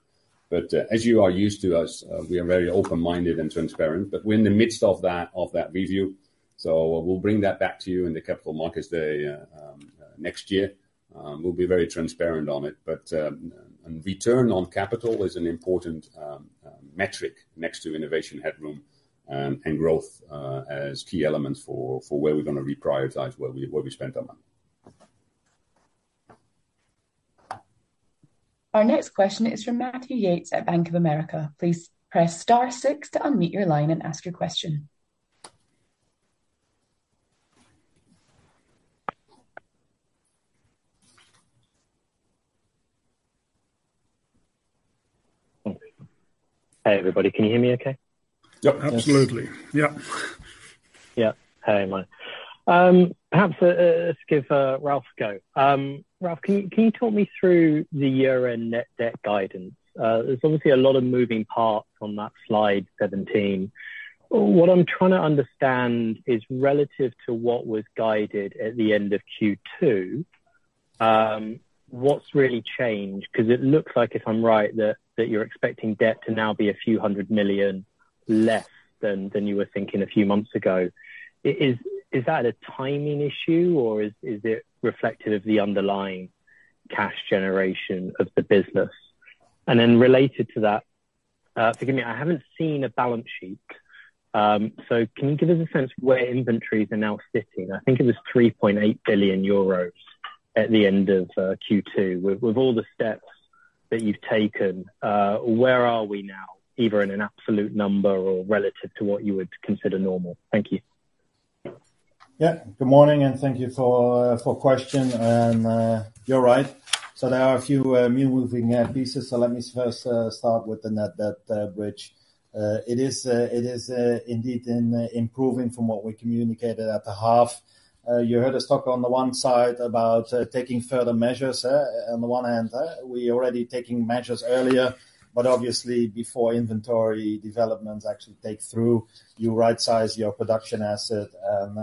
but as you are used to us, we are very open-minded and transparent. But we're in the midst of that review, so we'll bring that back to you in the capital markets day next year. We'll be very transparent on it. But and return on capital is an important metric next to innovation headroom and growth as key elements for where we're gonna reprioritize, where we spend our money. Our next question is from Matthew Yates at Bank of America. Please press star six to unmute your line and ask your question. Hey, everybody, can you hear me okay? Yep, absolutely. Yep. Yeah. Hey, mine. Perhaps let's give Ralf go. Ralf, can you, can you talk me through the year-end net debt guidance? There's obviously a lot of moving parts on that slide 17. What I'm trying to understand is relative to what was guided at the end of Q2, what's really changed? 'Cause it looks like, if I'm right, that, that you're expecting debt to now be a few hundred million less than, than you were thinking a few months ago. Is, is it a timing issue, or is, is it reflective of the underlying cash generation of the business? And then related to that, forgive me, I haven't seen a balance sheet. So can you give us a sense of where inventories are now sitting? I think it was 3.8 billion euros at the end of Q2. With all the steps that you've taken, where are we now, either in an absolute number or relative to what you would consider normal? Thank you. Yeah. Good morning, and thank you for question. And, you're right. So there are a few new moving pieces, so let me first start with the net debt bridge. It is indeed improving from what we communicated at the half. You heard us talk on the one side about taking further measures, on the one hand. We already taking measures earlier, but obviously before inventory developments actually take through, you right-size your production asset. And,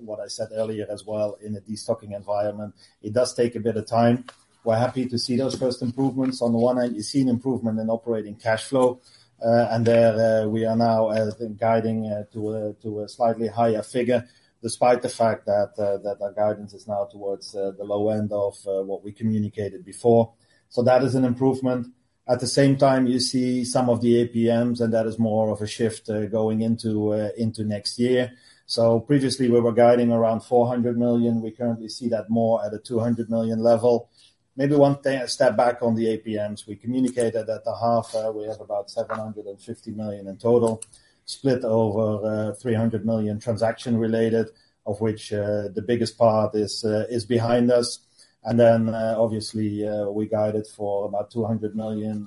what I said earlier as well, in a de-stocking environment, it does take a bit of time. We're happy to see those first improvements. On the one end, you're seeing improvement in operating cash flow, and there, we are now guiding to a slightly higher figure, despite the fact that our guidance is now towards the low end of what we communicated before. So that is an improvement. At the same time, you see some of the APMs, and that is more of a shift going into next year. So previously we were guiding around 400 million. We currently see that more at a 200 million level. Maybe one thing, a step back on the APMs. We communicated at the half, we have about 750 million in total, split over 300 million transaction related, of which the biggest part is behind us. And then, obviously, we guided for about 200 million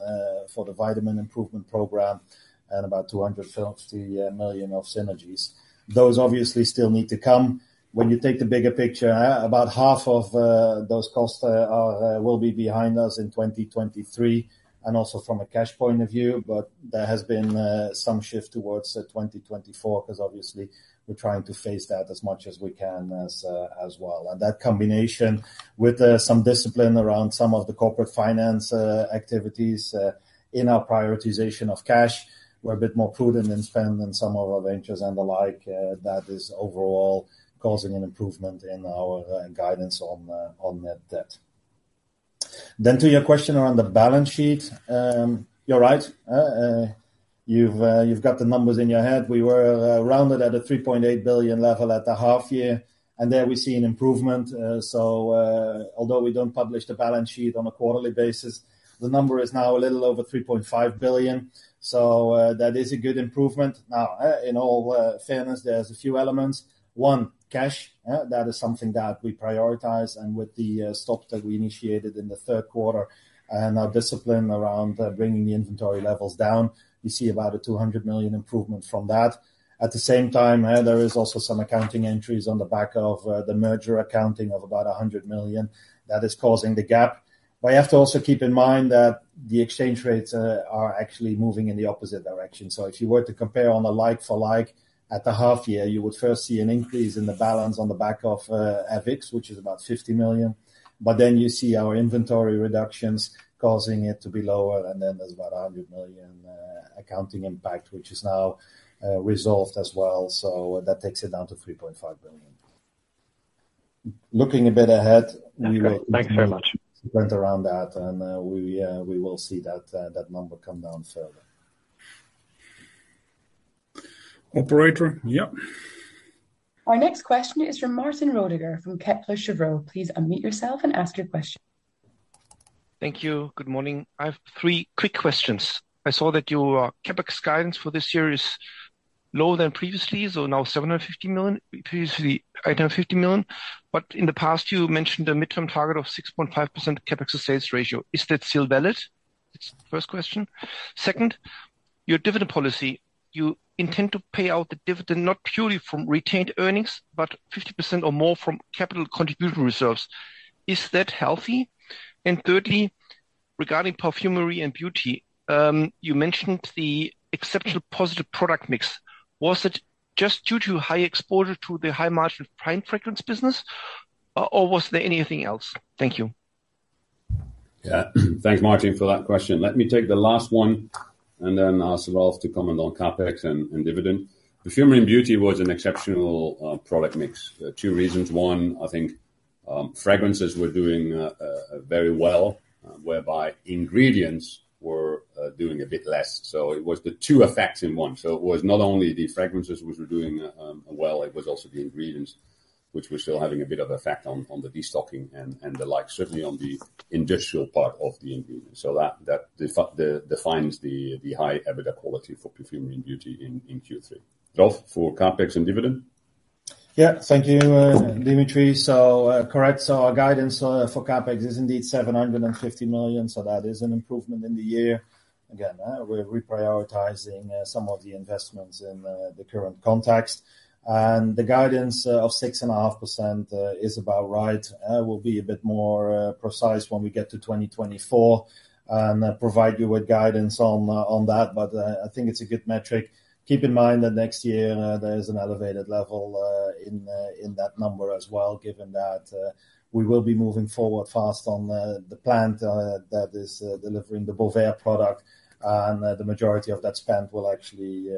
for the vitamin improvement program and about 250 million of synergies. Those obviously still need to come. When you take the bigger picture, about half of those costs will be behind us in 2023 and also from a cash point of view. But there has been some shift towards 2024, 'cause obviously we're trying to phase that as much as we can as well. And that combination with some discipline around some of the corporate finance activities in our prioritization of cash, we're a bit more prudent in spend than some of our ventures and the like. That is overall causing an improvement in our guidance on the net debt. Then to your question around the balance sheet, you're right. You've got the numbers in your head. We were rounded at a 3.8 billion level at the half year, and there we see an improvement. Although we don't publish the balance sheet on a quarterly basis, the number is now a little over 3.5 billion. That is a good improvement. Now, in all, fairness, there's a few elements. One, cash, that is something that we prioritize and with the stock that we initiated in the third quarter and our discipline around bringing the inventory levels down, we see about a 200 million improvement from that. At the same time, there is also some accounting entries on the back of, the merger accounting of about 100 million that is causing the gap. But you have to also keep in mind that the exchange rates, are actually moving in the opposite direction. So if you were to compare on a like-for-like at the half year, you would first see an increase in the balance on the back of, FX, which is about 50 million. But then you see our inventory reductions causing it to be lower, and then there's about 100 million, accounting impact, which is now, resolved as well. So that takes it down to 3.5 billion. Looking a bit ahead, we will- Okay. Thank you very much. Went around that, and we will see that number come down further. Operator? Yep. Our next question is from Martin Rödiger, from Kepler Cheuvreux. Please unmute yourself and ask your question. Thank you. Good morning. I have three quick questions. I saw that your CapEx guidance for this year is lower than previously, so now 750 million, previously 850 million. But in the past, you mentioned a midterm target of 6.5% CapEx sales ratio. Is that still valid? It's the first question. Second, your dividend policy: you intend to pay out the dividend, not purely from retained earnings, but 50% or more from capital contribution reserves. Is that healthy? And thirdly, regarding Perfumery and Beauty, you mentioned the exceptional positive product mix. Was it just due to high exposure to the high-margin prime fragrance business, or was there anything else? Thank you.... Yeah. Thanks, Martin, for that question. Let me take the last one, and then ask Ralf to comment on CapEx and dividend. The Perfumery and Beauty was an exceptional product mix. Two reasons: One, I think, fragrances were doing very well, whereby ingredients were doing a bit less. So it was the two effects in one. So it was not only the fragrances which were doing well, it was also the ingredients, which were still having a bit of effect on the destocking and the like, certainly on the industrial part of the ingredient. So that defines the high EBITDA quality for Perfumery and Beauty in Q3. Ralf, for CapEx and dividend? Yeah. Thank you, Dimitri. So, correct, so our guidance for CapEx is indeed 750 million, so that is an improvement in the year. Again, we're reprioritizing some of the investments in the current context. The guidance of 6.5% is about right. We'll be a bit more precise when we get to 2024 and provide you with guidance on that, but I think it's a good metric. Keep in mind that next year there is an elevated level in that number as well, given that we will be moving forward fast on the plant that is delivering the Bovaer product, and the majority of that spend will actually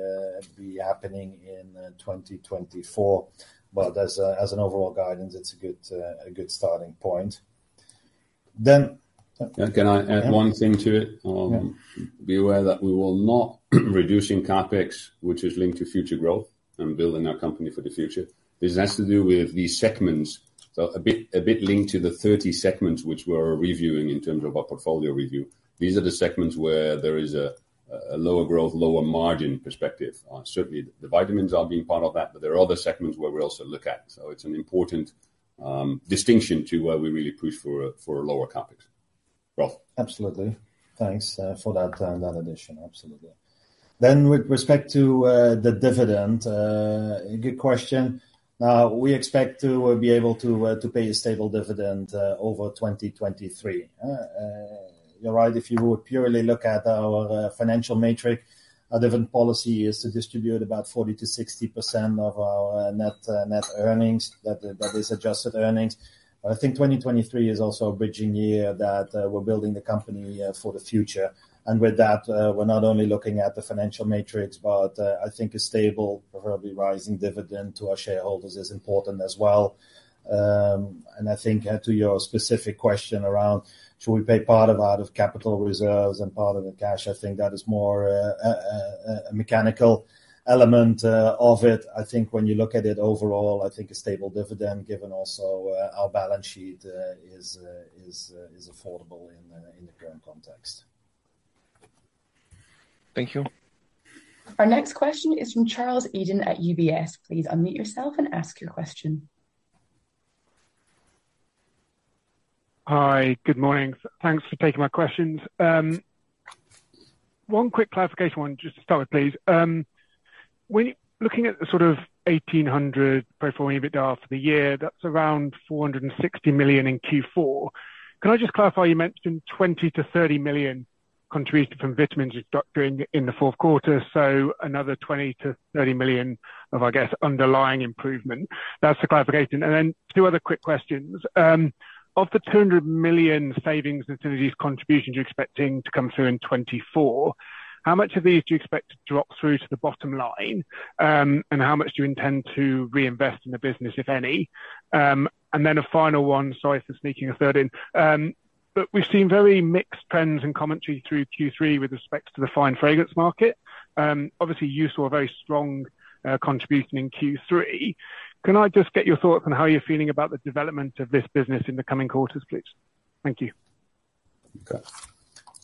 be happening in 2024. But as an overall guidance, it's a good starting point. Then- Can I add one thing to it? Yeah. Be aware that we will not reducing CapEx, which is linked to future growth and building our company for the future. This has to do with the segments, so a bit linked to the 30 segments which we're reviewing in terms of our portfolio review. These are the segments where there is a lower growth, lower margin perspective. Certainly, the vitamins are being part of that, but there are other segments where we also look at. So it's an important distinction to where we really push for a lower CapEx. Ralf? Absolutely. Thanks, for that, that addition. Absolutely. Then with respect to, the dividend, good question. We expect to be able to, to pay a stable dividend, over 2023. You're right, if you would purely look at our, financial metric, our dividend policy is to distribute about 40%-60% of our net, net earnings, that, that is adjusted earnings. But I think 2023 is also a bridging year that, we're building the company, for the future. And with that, we're not only looking at the financial metrics, but, I think a stable, preferably rising dividend to our shareholders is important as well. And I think, to your specific question around, should we pay part of out of capital reserves and part of the cash? I think that is more, a mechanical element, of it. I think when you look at it overall, I think a stable dividend, given also, our balance sheet, is affordable in the current context. Thank you. Our next question is from Charles Eden at UBS. Please unmute yourself and ask your question. Hi, good morning. Thanks for taking my questions. One quick clarification one, just to start with, please. When looking at the sort of 1,800 pro forma EBITDA for the year, that's around 460 million in Q4. Can I just clarify, you mentioned 20 million-30 million contribution from vitamins you got during in the fourth quarter, so another 20 million-30 million of, I guess, underlying improvement. That's the clarification. And then two other quick questions. Of the 200 million savings and synergies contribution you're expecting to come through in 2024, how much of these do you expect to drop through to the bottom line? And how much do you intend to reinvest in the business, if any? And then a final one, sorry for sneaking a third in. But we've seen very mixed trends and commentary through Q3 with respects to the fine fragrance market. Obviously, you saw a very strong contribution in Q3. Can I just get your thoughts on how you're feeling about the development of this business in the coming quarters, please? Thank you. Okay.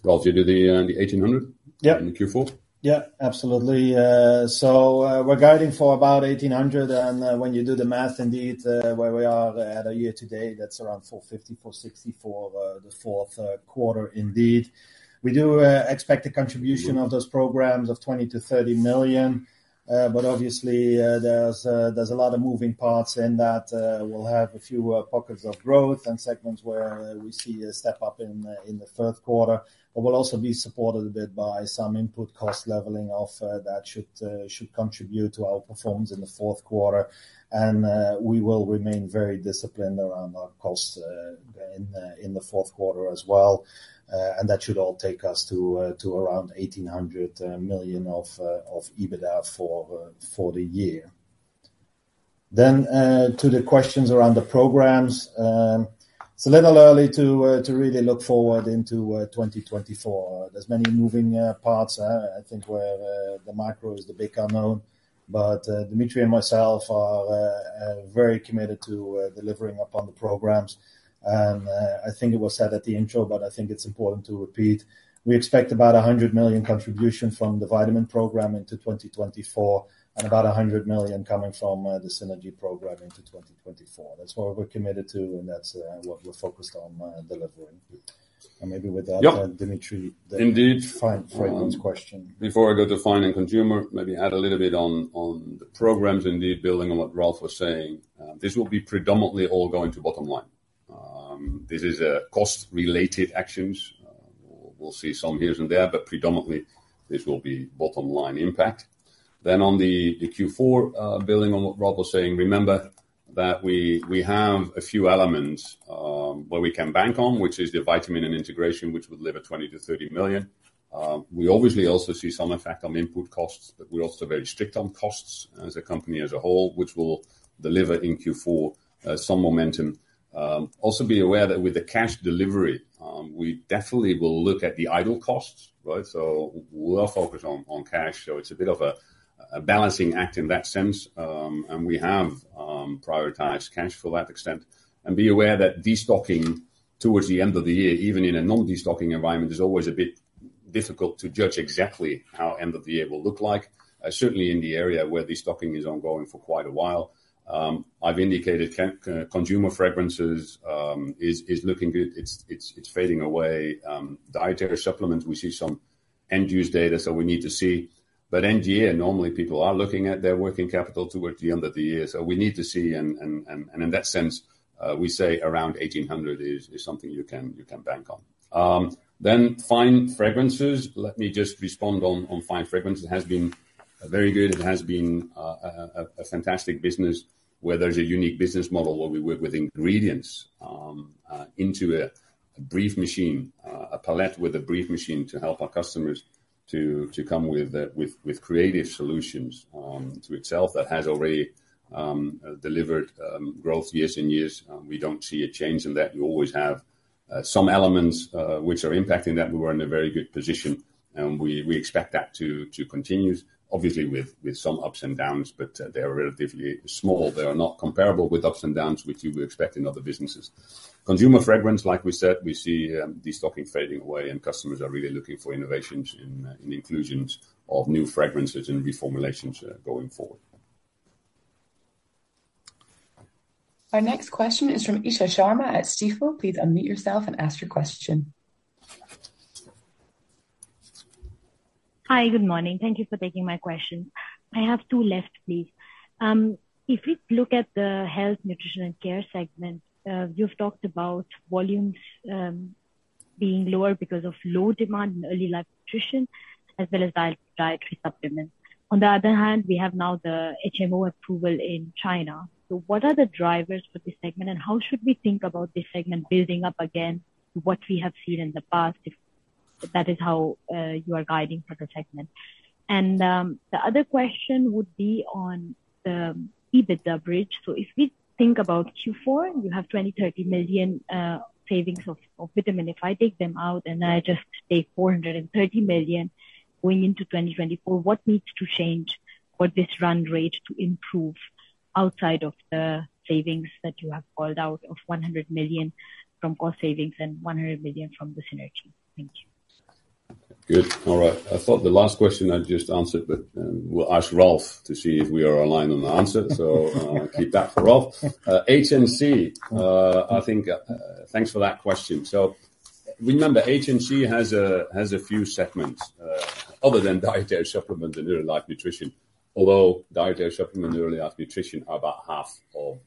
Ralf, you do the, the 1,800- Yeah. - in Q4? Yeah, absolutely. So, we're guiding for about 1,800, and, when you do the math, indeed, where we are at a year today, that's around 450-460 for the fourth quarter, indeed. We do expect a contribution of those programs of 20 million-30 million, but obviously, there's a lot of moving parts in that. We'll have a few pockets of growth and segments where we see a step up in the third quarter. But we'll also be supported a bit by some input cost leveling off, that should contribute to our performance in the fourth quarter. We will remain very disciplined around our costs in the fourth quarter as well. And that should all take us to around 1,800 million of EBITDA for the year. Then to the questions around the programs, it's a little early to really look forward into 2024. There's many moving parts. I think where the micro is the big unknown. But Dimitri and myself are very committed to delivering upon the programs. And I think it was said at the intro, but I think it's important to repeat. We expect about a 100 million contribution from the vitamin program into 2024, and about a 100 million coming from the synergy program into 2024. That's what we're committed to, and that's what we're focused on delivering. And maybe with that- Yeah... Dimitri. Indeed. Fine Fragrance question. Before I go to Fine and Consumer, maybe add a little bit on the programs, indeed, building on what Ralf was saying. This will be predominantly all going to bottom line. This is a cost-related actions. We'll see some here and there, but predominantly this will be bottom line impact. Then on the Q4, building on what Ralf was saying, remember that we have a few elements where we can bank on, which is the vitamin and integration, which will deliver 20-30 million. We obviously also see some effect on input costs, but we're also very strict on costs as a company as a whole, which will deliver in Q4 some momentum. Also, be aware that with the cash delivery, we definitely will look at the idle costs, right? So we're focused on cash. So it's a bit of a balancing act in that sense. And we have prioritized cash to that extent. And be aware that destocking towards the end of the year, even in a non-destocking environment, is always a bit difficult to judge exactly how end of the year will look like. Certainly in the area where destocking is ongoing for quite a while. I've indicated Consumer Fragrances is looking good. It's fading away. Dietary Supplements, we see some end use data, so we need to see. But NGA, normally people are looking at their working capital towards the end of the year, so we need to see. And in that sense, we say around 1,800 is something you can bank on. Then Fine Fragrances. Let me just respond on Fine Fragrances. It has been very good. It has been a fantastic business where there's a unique business model where we work with ingredients into a brief machine, a palette with a brief machine to help our customers to come with creative solutions to itself. That has already delivered growth years and years. We don't see a change in that. We always have some elements which are impacting that. We were in a very good position, and we expect that to continue, obviously with some ups and downs, but they are relatively small. They are not comparable with ups and downs, which you would expect in other businesses. Consumer Fragrance, like we said, we see destocking fading away and customers are really looking for innovations in inclusions of new fragrances and reformulations, going forward. Our next question is from Isha Sharma at Stifel. Please unmute yourself and ask your question. Hi, good morning. Thank you for taking my question. I have two left, please. If we look at the Health, Nutrition, and Care segment, you've talked about volumes being lower because of low demand in Early Life Nutrition as well as Dietary Supplements. On the other hand, we have now the HMO approval in China. So what are the drivers for this segment, and how should we think about this segment building up again, what we have seen in the past, if that is how you are guiding for the segment? And the other question would be on the EBITDA bridge. So if we think about Q4, you have 20-30 million savings of vitamin. If I take them out and I just take 430 million going into 2024, what needs to change for this run rate to improve outside of the savings that you have called out of 100 million from cost savings and 100 million from the synergy? Thank you. Good. All right. I thought the last question I just answered, but we'll ask Ralf to see if we are aligned on the answer. So I'll keep that for Ralf. HNC, I think... Thanks for that question. So remember, HNC has a few segments other than Dietary Supplements and Early Life Nutrition, although Dietary Supplements and Early Life Nutrition are about half of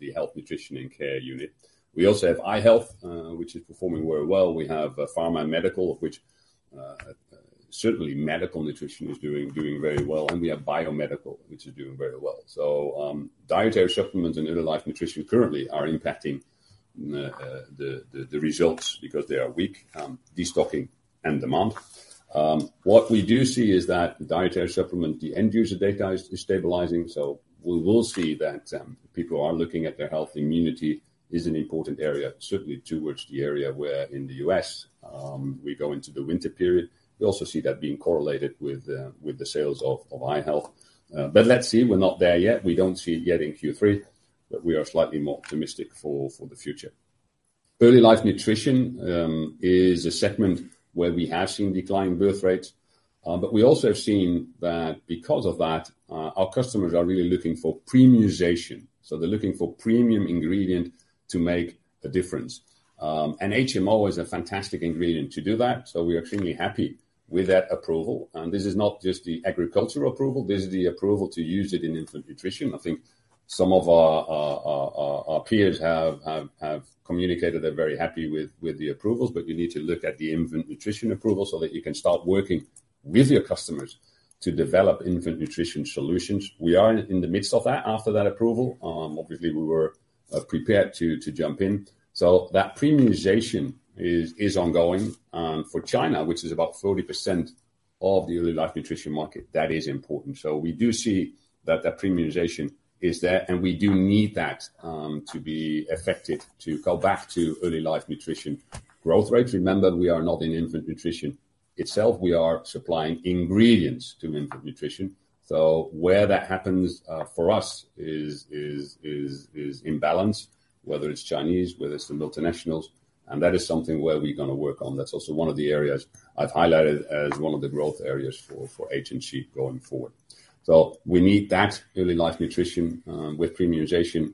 the Health, Nutrition, and Care unit. We also have Eye Health, which is performing very well. We have Pharma and Medical, of which certainly Medical Nutrition is doing very well. And we have Biomedical, which is doing very well. So, Dietary Supplements and Early Life Nutrition currently are impacting the results because they are weak, destocking and demand. What we do see is that Dietary Supplement, the end user data is stabilizing, so we will see that people are looking at their health. Immunity is an important area, certainly towards the area where in the U.S., we go into the winter period. We also see that being correlated with the sales of Eye Health. But let's see, we're not there yet. We don't see it yet in Q3, but we are slightly more optimistic for the future. Early Life Nutrition is a segment where we have seen declining birth rates, but we also have seen that because of that, our customers are really looking for premiumization. So they're looking for premium ingredient to make a difference. And HMO is a fantastic ingredient to do that, so we're extremely happy with that approval. This is not just the agricultural approval, this is the approval to use it in infant nutrition. I think some of our peers have communicated they're very happy with the approvals, but you need to look at the infant nutrition approval so that you can start working with your customers to develop infant nutrition solutions. We are in the midst of that, after that approval. Obviously we were prepared to jump in. So that premiumization is ongoing. For China, which is about 40% of the Early Life Nutrition market, that is important. So we do see that the premiumization is there, and we do need that to be effective to go back to Early Life Nutrition growth rates. Remember, we are not in infant nutrition itself. We are supplying ingredients to Infant Nutrition. So where that happens for us is in balance, whether it's Chinese, whether it's the multinationals, and that is something where we're gonna work on. That's also one of the areas I've highlighted as one of the growth areas for HNC going forward. So we need that Early Life Nutrition with premiumization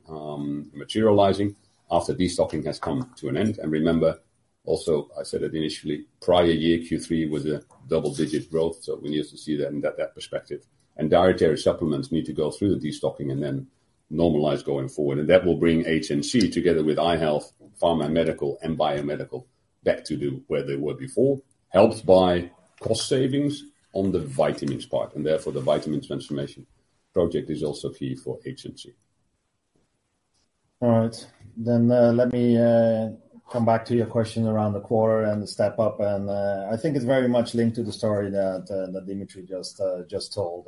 materializing after destocking has come to an end. And remember, also, I said it initially, prior year Q3 was a double-digit growth, so we need to see that in that perspective. And Dietary Supplements need to go through the destocking and then normalize going forward, and that will bring HNC together with Eye Health, Pharma Medical, and Biomedical back to where they were before, helped by cost savings on the vitamins part, and therefore, the vitamins transformation project is also key for HNC. All right. Then, let me come back to your question around the quarter and the step up, and, I think it's very much linked to the story that that Dimitri just just told.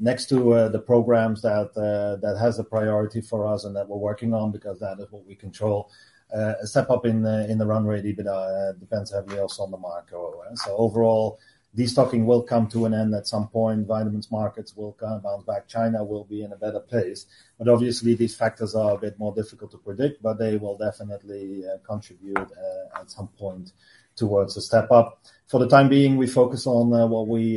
Next to the programs that that has a priority for us and that we're working on because that is what we control, a step up in the in the run rate, EBITDA, depends heavily also on the macro. And so overall, destocking will come to an end at some point, vitamins markets will come bounce back, China will be in a better place, but obviously, these factors are a bit more difficult to predict, but they will definitely contribute at some point towards a step up. For the time being, we focus on what we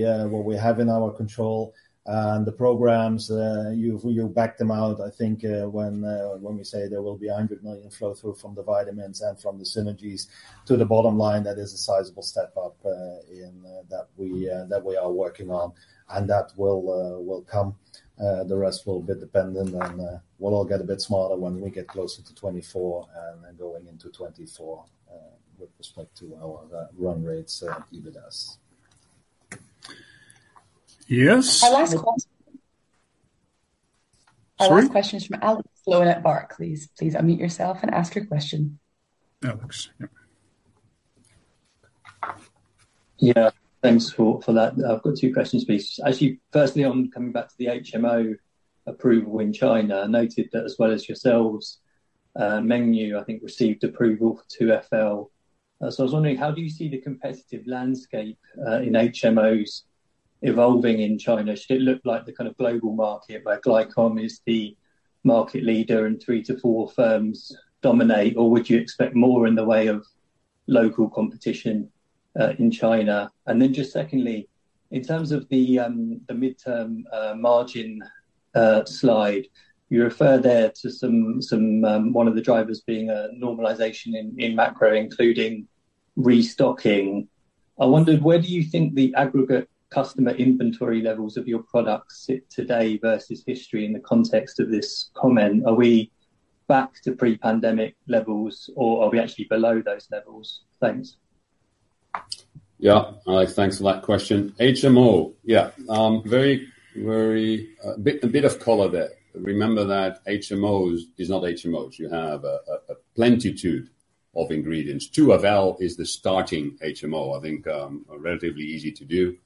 have in our control and the programs, you back them out. I think, when we say there will be 100 million flow through from the vitamins and from the synergies to the bottom line, that is a sizable step up in that we are working on, and that will come. The rest will be dependent on... We'll all get a bit smarter when we get closer to 2024 and then going into 2024, with respect to our run rates, EBITDA. Yes? Our last question- Sorry? Our last question is from Alex Sloane at Barclays. Please unmute yourself and ask your question. Alex, yep. Yeah, thanks for that. I've got two questions, please. Actually, firstly, on coming back to the HMO approval in China, noted that as well as yourselves, Mengniu, I think, received approval for 2'-FL. So I was wondering, how do you see the competitive landscape in HMOs evolving in China? Should it look like the kind of global market, where Glycom is the market leader and three to four firms dominate, or would you expect more in the way of local competition in China? And then just secondly, in terms of the midterm margin slide, you refer there to some one of the drivers being a normalization in macro, including restocking. I wondered, where do you think the aggregate customer inventory levels of your products sit today versus history in the context of this comment? Are we back to pre-pandemic levels, or are we actually below those levels? Thanks. Yeah. Alex, thanks for that question. HMO, yeah, a bit of color there. Remember that HMOs is not HMOs. You have a plenitude of ingredients. 2′-FL is the starting HMO. I think relatively easy to do.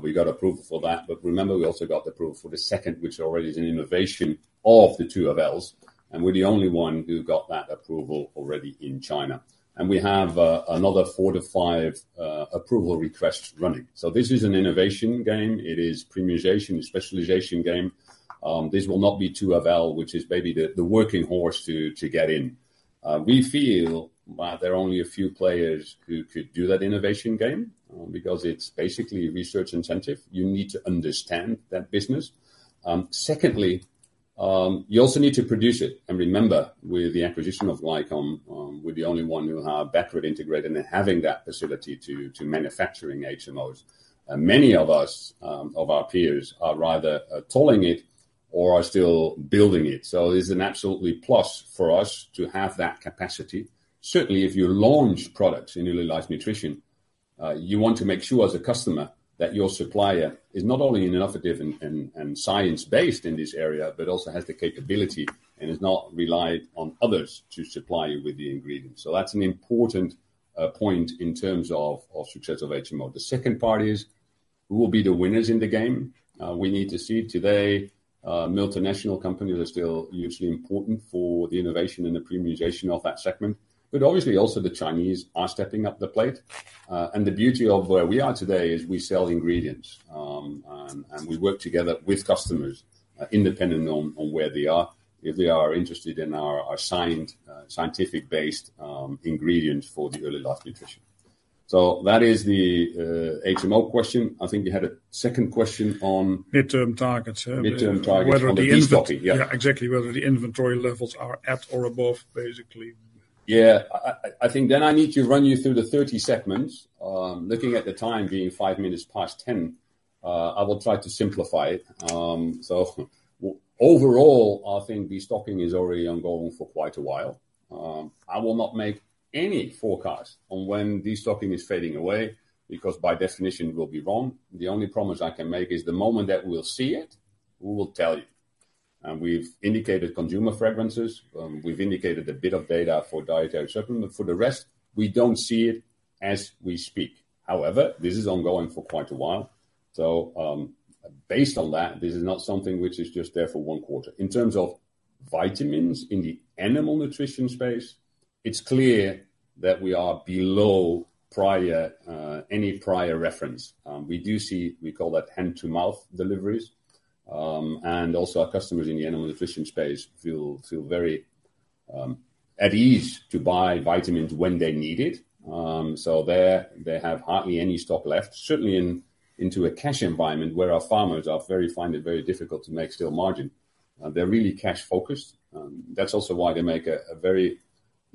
We got approval for that, but remember, we also got the approval for the second, which already is an innovation of the 2′-FL, and we're the only one who got that approval already in China. And we have another four to five approval requests running. So this is an innovation game. It is permutation, specialization game. This will not be 2′-FL, which is maybe the working horse to get in. We feel there are only a few players who could do that innovation game, because it's basically research incentive. You need to understand that business. Secondly, you also need to produce it. And remember, with the acquisition of Glycom, we're the only one who are backward integrated and having that facility to manufacturing HMOs. And many of our peers are rather tolling it or are still building it. So it's an absolutely plus for us to have that capacity. Certainly, if you launch products in Early Life Nutrition, you want to make sure as a customer, that your supplier is not only innovative and science-based in this area, but also has the capability and is not relied on others to supply you with the ingredients. So that's an important point in terms of success of HMO. The second part is, who will be the winners in the game? We need to see today, multinational companies are still usually important for the innovation and the permutation of that segment, but obviously also the Chinese are stepping up to the plate. And the beauty of where we are today is we sell ingredients, and we work together with customers, independent of where they are, if they are interested in our science-based ingredient for Early Life Nutrition. So that is the HMO question. I think you had a second question on- Mid-term targets. Mid-term targets on the destocking, yeah. Yeah, exactly. Whether the inventory levels are at or above, basically. Yeah, I think then I need to run you through the 30 segments. Looking at the time being five minutes past 10, I will try to simplify it. So overall, I think destocking is already ongoing for quite a while. I will not make any forecast on when destocking is fading away because by definition, we'll be wrong. The only promise I can make is the moment that we'll see it, we will tell you. And we've indicated consumer preferences, we've indicated a bit of data for dietary supplement. For the rest, we don't see it as we speak. However, this is ongoing for quite a while. So, based on that, this is not something which is just there for one quarter. In terms of vitamins in the Animal Nutrition space, it's clear that we are below prior, any prior reference. We do see, we call that hand-to-mouth deliveries. And also our customers in the Animal Nutrition space feel very at ease to buy vitamins when they need it. So there they have hardly any stock left, certainly in into a cash environment where our farmers are very find it very difficult to make still margin. They're really cash-focused, that's also why they make a very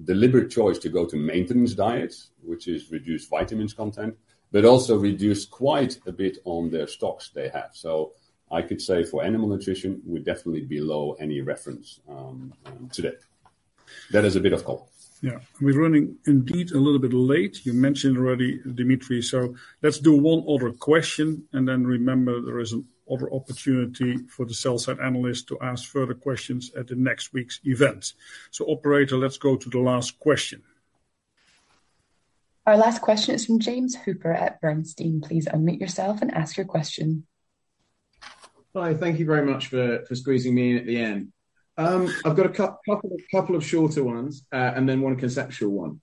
deliberate choice to go to maintenance diets, which is reduced vitamins content, but also reduce quite a bit on their stocks they have. So I could say for Animal Nutrition, we're definitely below any reference to date. That is a bit of call. Yeah, we're running indeed a little bit late. You mentioned already, Dimitri, so let's do one other question, and then remember, there is another opportunity for the sell-side analysts to ask further questions at next week's event. So, operator, let's go to the last question. Our last question is from James Hooper at Bernstein. Please unmute yourself and ask your question. Hi, thank you very much for squeezing me in at the end. I've got a couple of shorter ones, and then one conceptual one.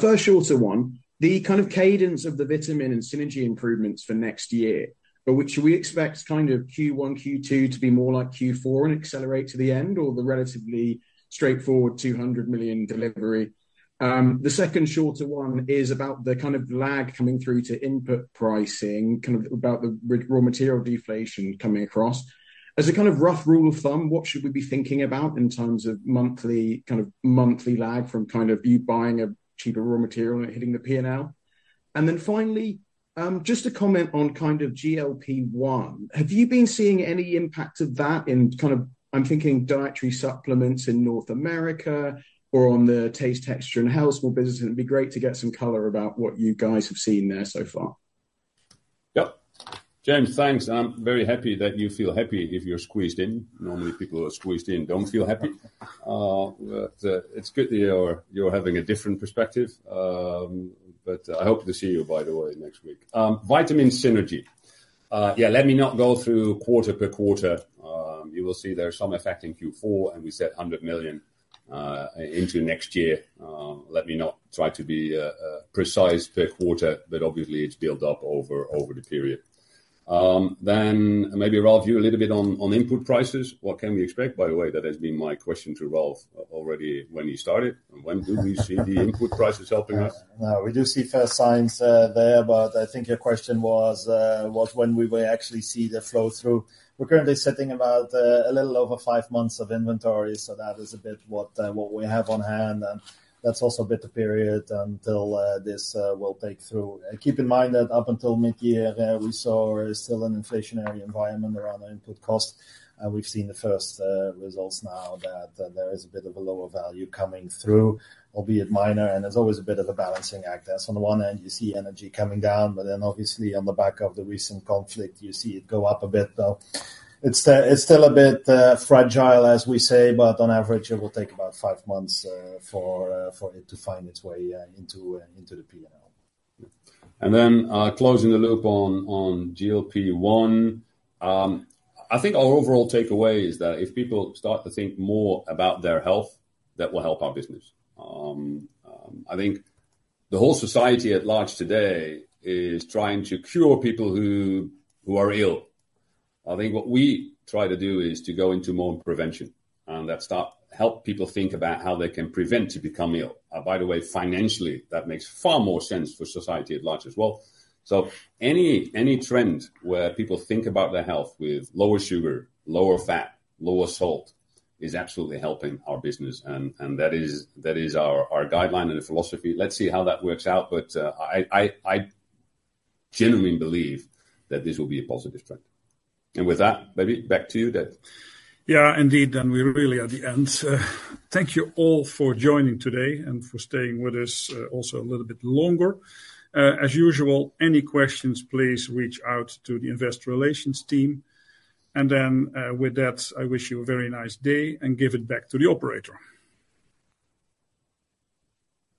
First shorter one, the kind of cadence of the vitamin and synergy improvements for next year, but which we expect kind of Q1, Q2 to be more like Q4 and accelerate to the end, or the relatively straightforward 200 million delivery. The second shorter one is about the kind of lag coming through to input pricing, kind of about the raw material deflation coming across. As a kind of rough rule of thumb, what should we be thinking about in terms of monthly, kind of monthly lag from kind of you buying a cheaper raw material and it hitting the P&L? And then finally, just a comment on kind of GLP-1. Have you been seeing any impact of that in kind of... I'm thinking Dietary Supplements in North America or on the Taste, Texture, and Health business, and it'd be great to get some color about what you guys have seen there so far? Yep. James, thanks. I'm very happy that you feel happy if you're squeezed in. Normally, people who are squeezed in don't feel happy. But it's good that you're having a different perspective. But I hope to see you, by the way, next week. Vitamin synergy. Yeah, let me not go through quarter per quarter. You will see there are some effect in Q4, and we set 100 million into next year. Let me not try to be precise per quarter, but obviously, it's built up over the period. Then maybe, Ralf, you a little bit on input prices. What can we expect, by the way? That has been my question to Ralf already when you started. And when do we see the input prices helping us? Yeah. No, we do see first signs there, but I think your question was when we will actually see the flow-through. We're currently sitting about a little over five months of inventory, so that is a bit what we have on hand, and that's also a bit the period until this will take through. Keep in mind that up until mid-year, we saw still an inflationary environment around the input cost, and we've seen the first results now that there is a bit of a lower value coming through, albeit minor, and there's always a bit of a balancing act. As on the one end, you see energy coming down, but then obviously on the back of the recent conflict, you see it go up a bit, though. It's still, it's still a bit fragile, as we say, but on average it will take about five months for it to find its way into the P&L. And then, closing the loop on GLP-1. I think our overall takeaway is that if people start to think more about their health, that will help our business. I think the whole society at large today is trying to cure people who are ill. I think what we try to do is to go into more prevention, and that help people think about how they can prevent to become ill. By the way, financially, that makes far more sense for society at large as well. So any trend where people think about their health with lower sugar, lower fat, lower salt, is absolutely helping our business, and that is our guideline and philosophy. Let's see how that works out, but I genuinely believe that this will be a positive trend. With that, maybe back to you, Dave. Yeah, indeed, and we're really at the end. Thank you all for joining today and for staying with us, also a little bit longer. As usual, any questions, please reach out to the investor relations team, and then, with that, I wish you a very nice day and give it back to the operator.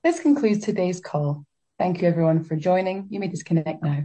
This concludes today's call. Thank you, everyone, for joining. You may disconnect now.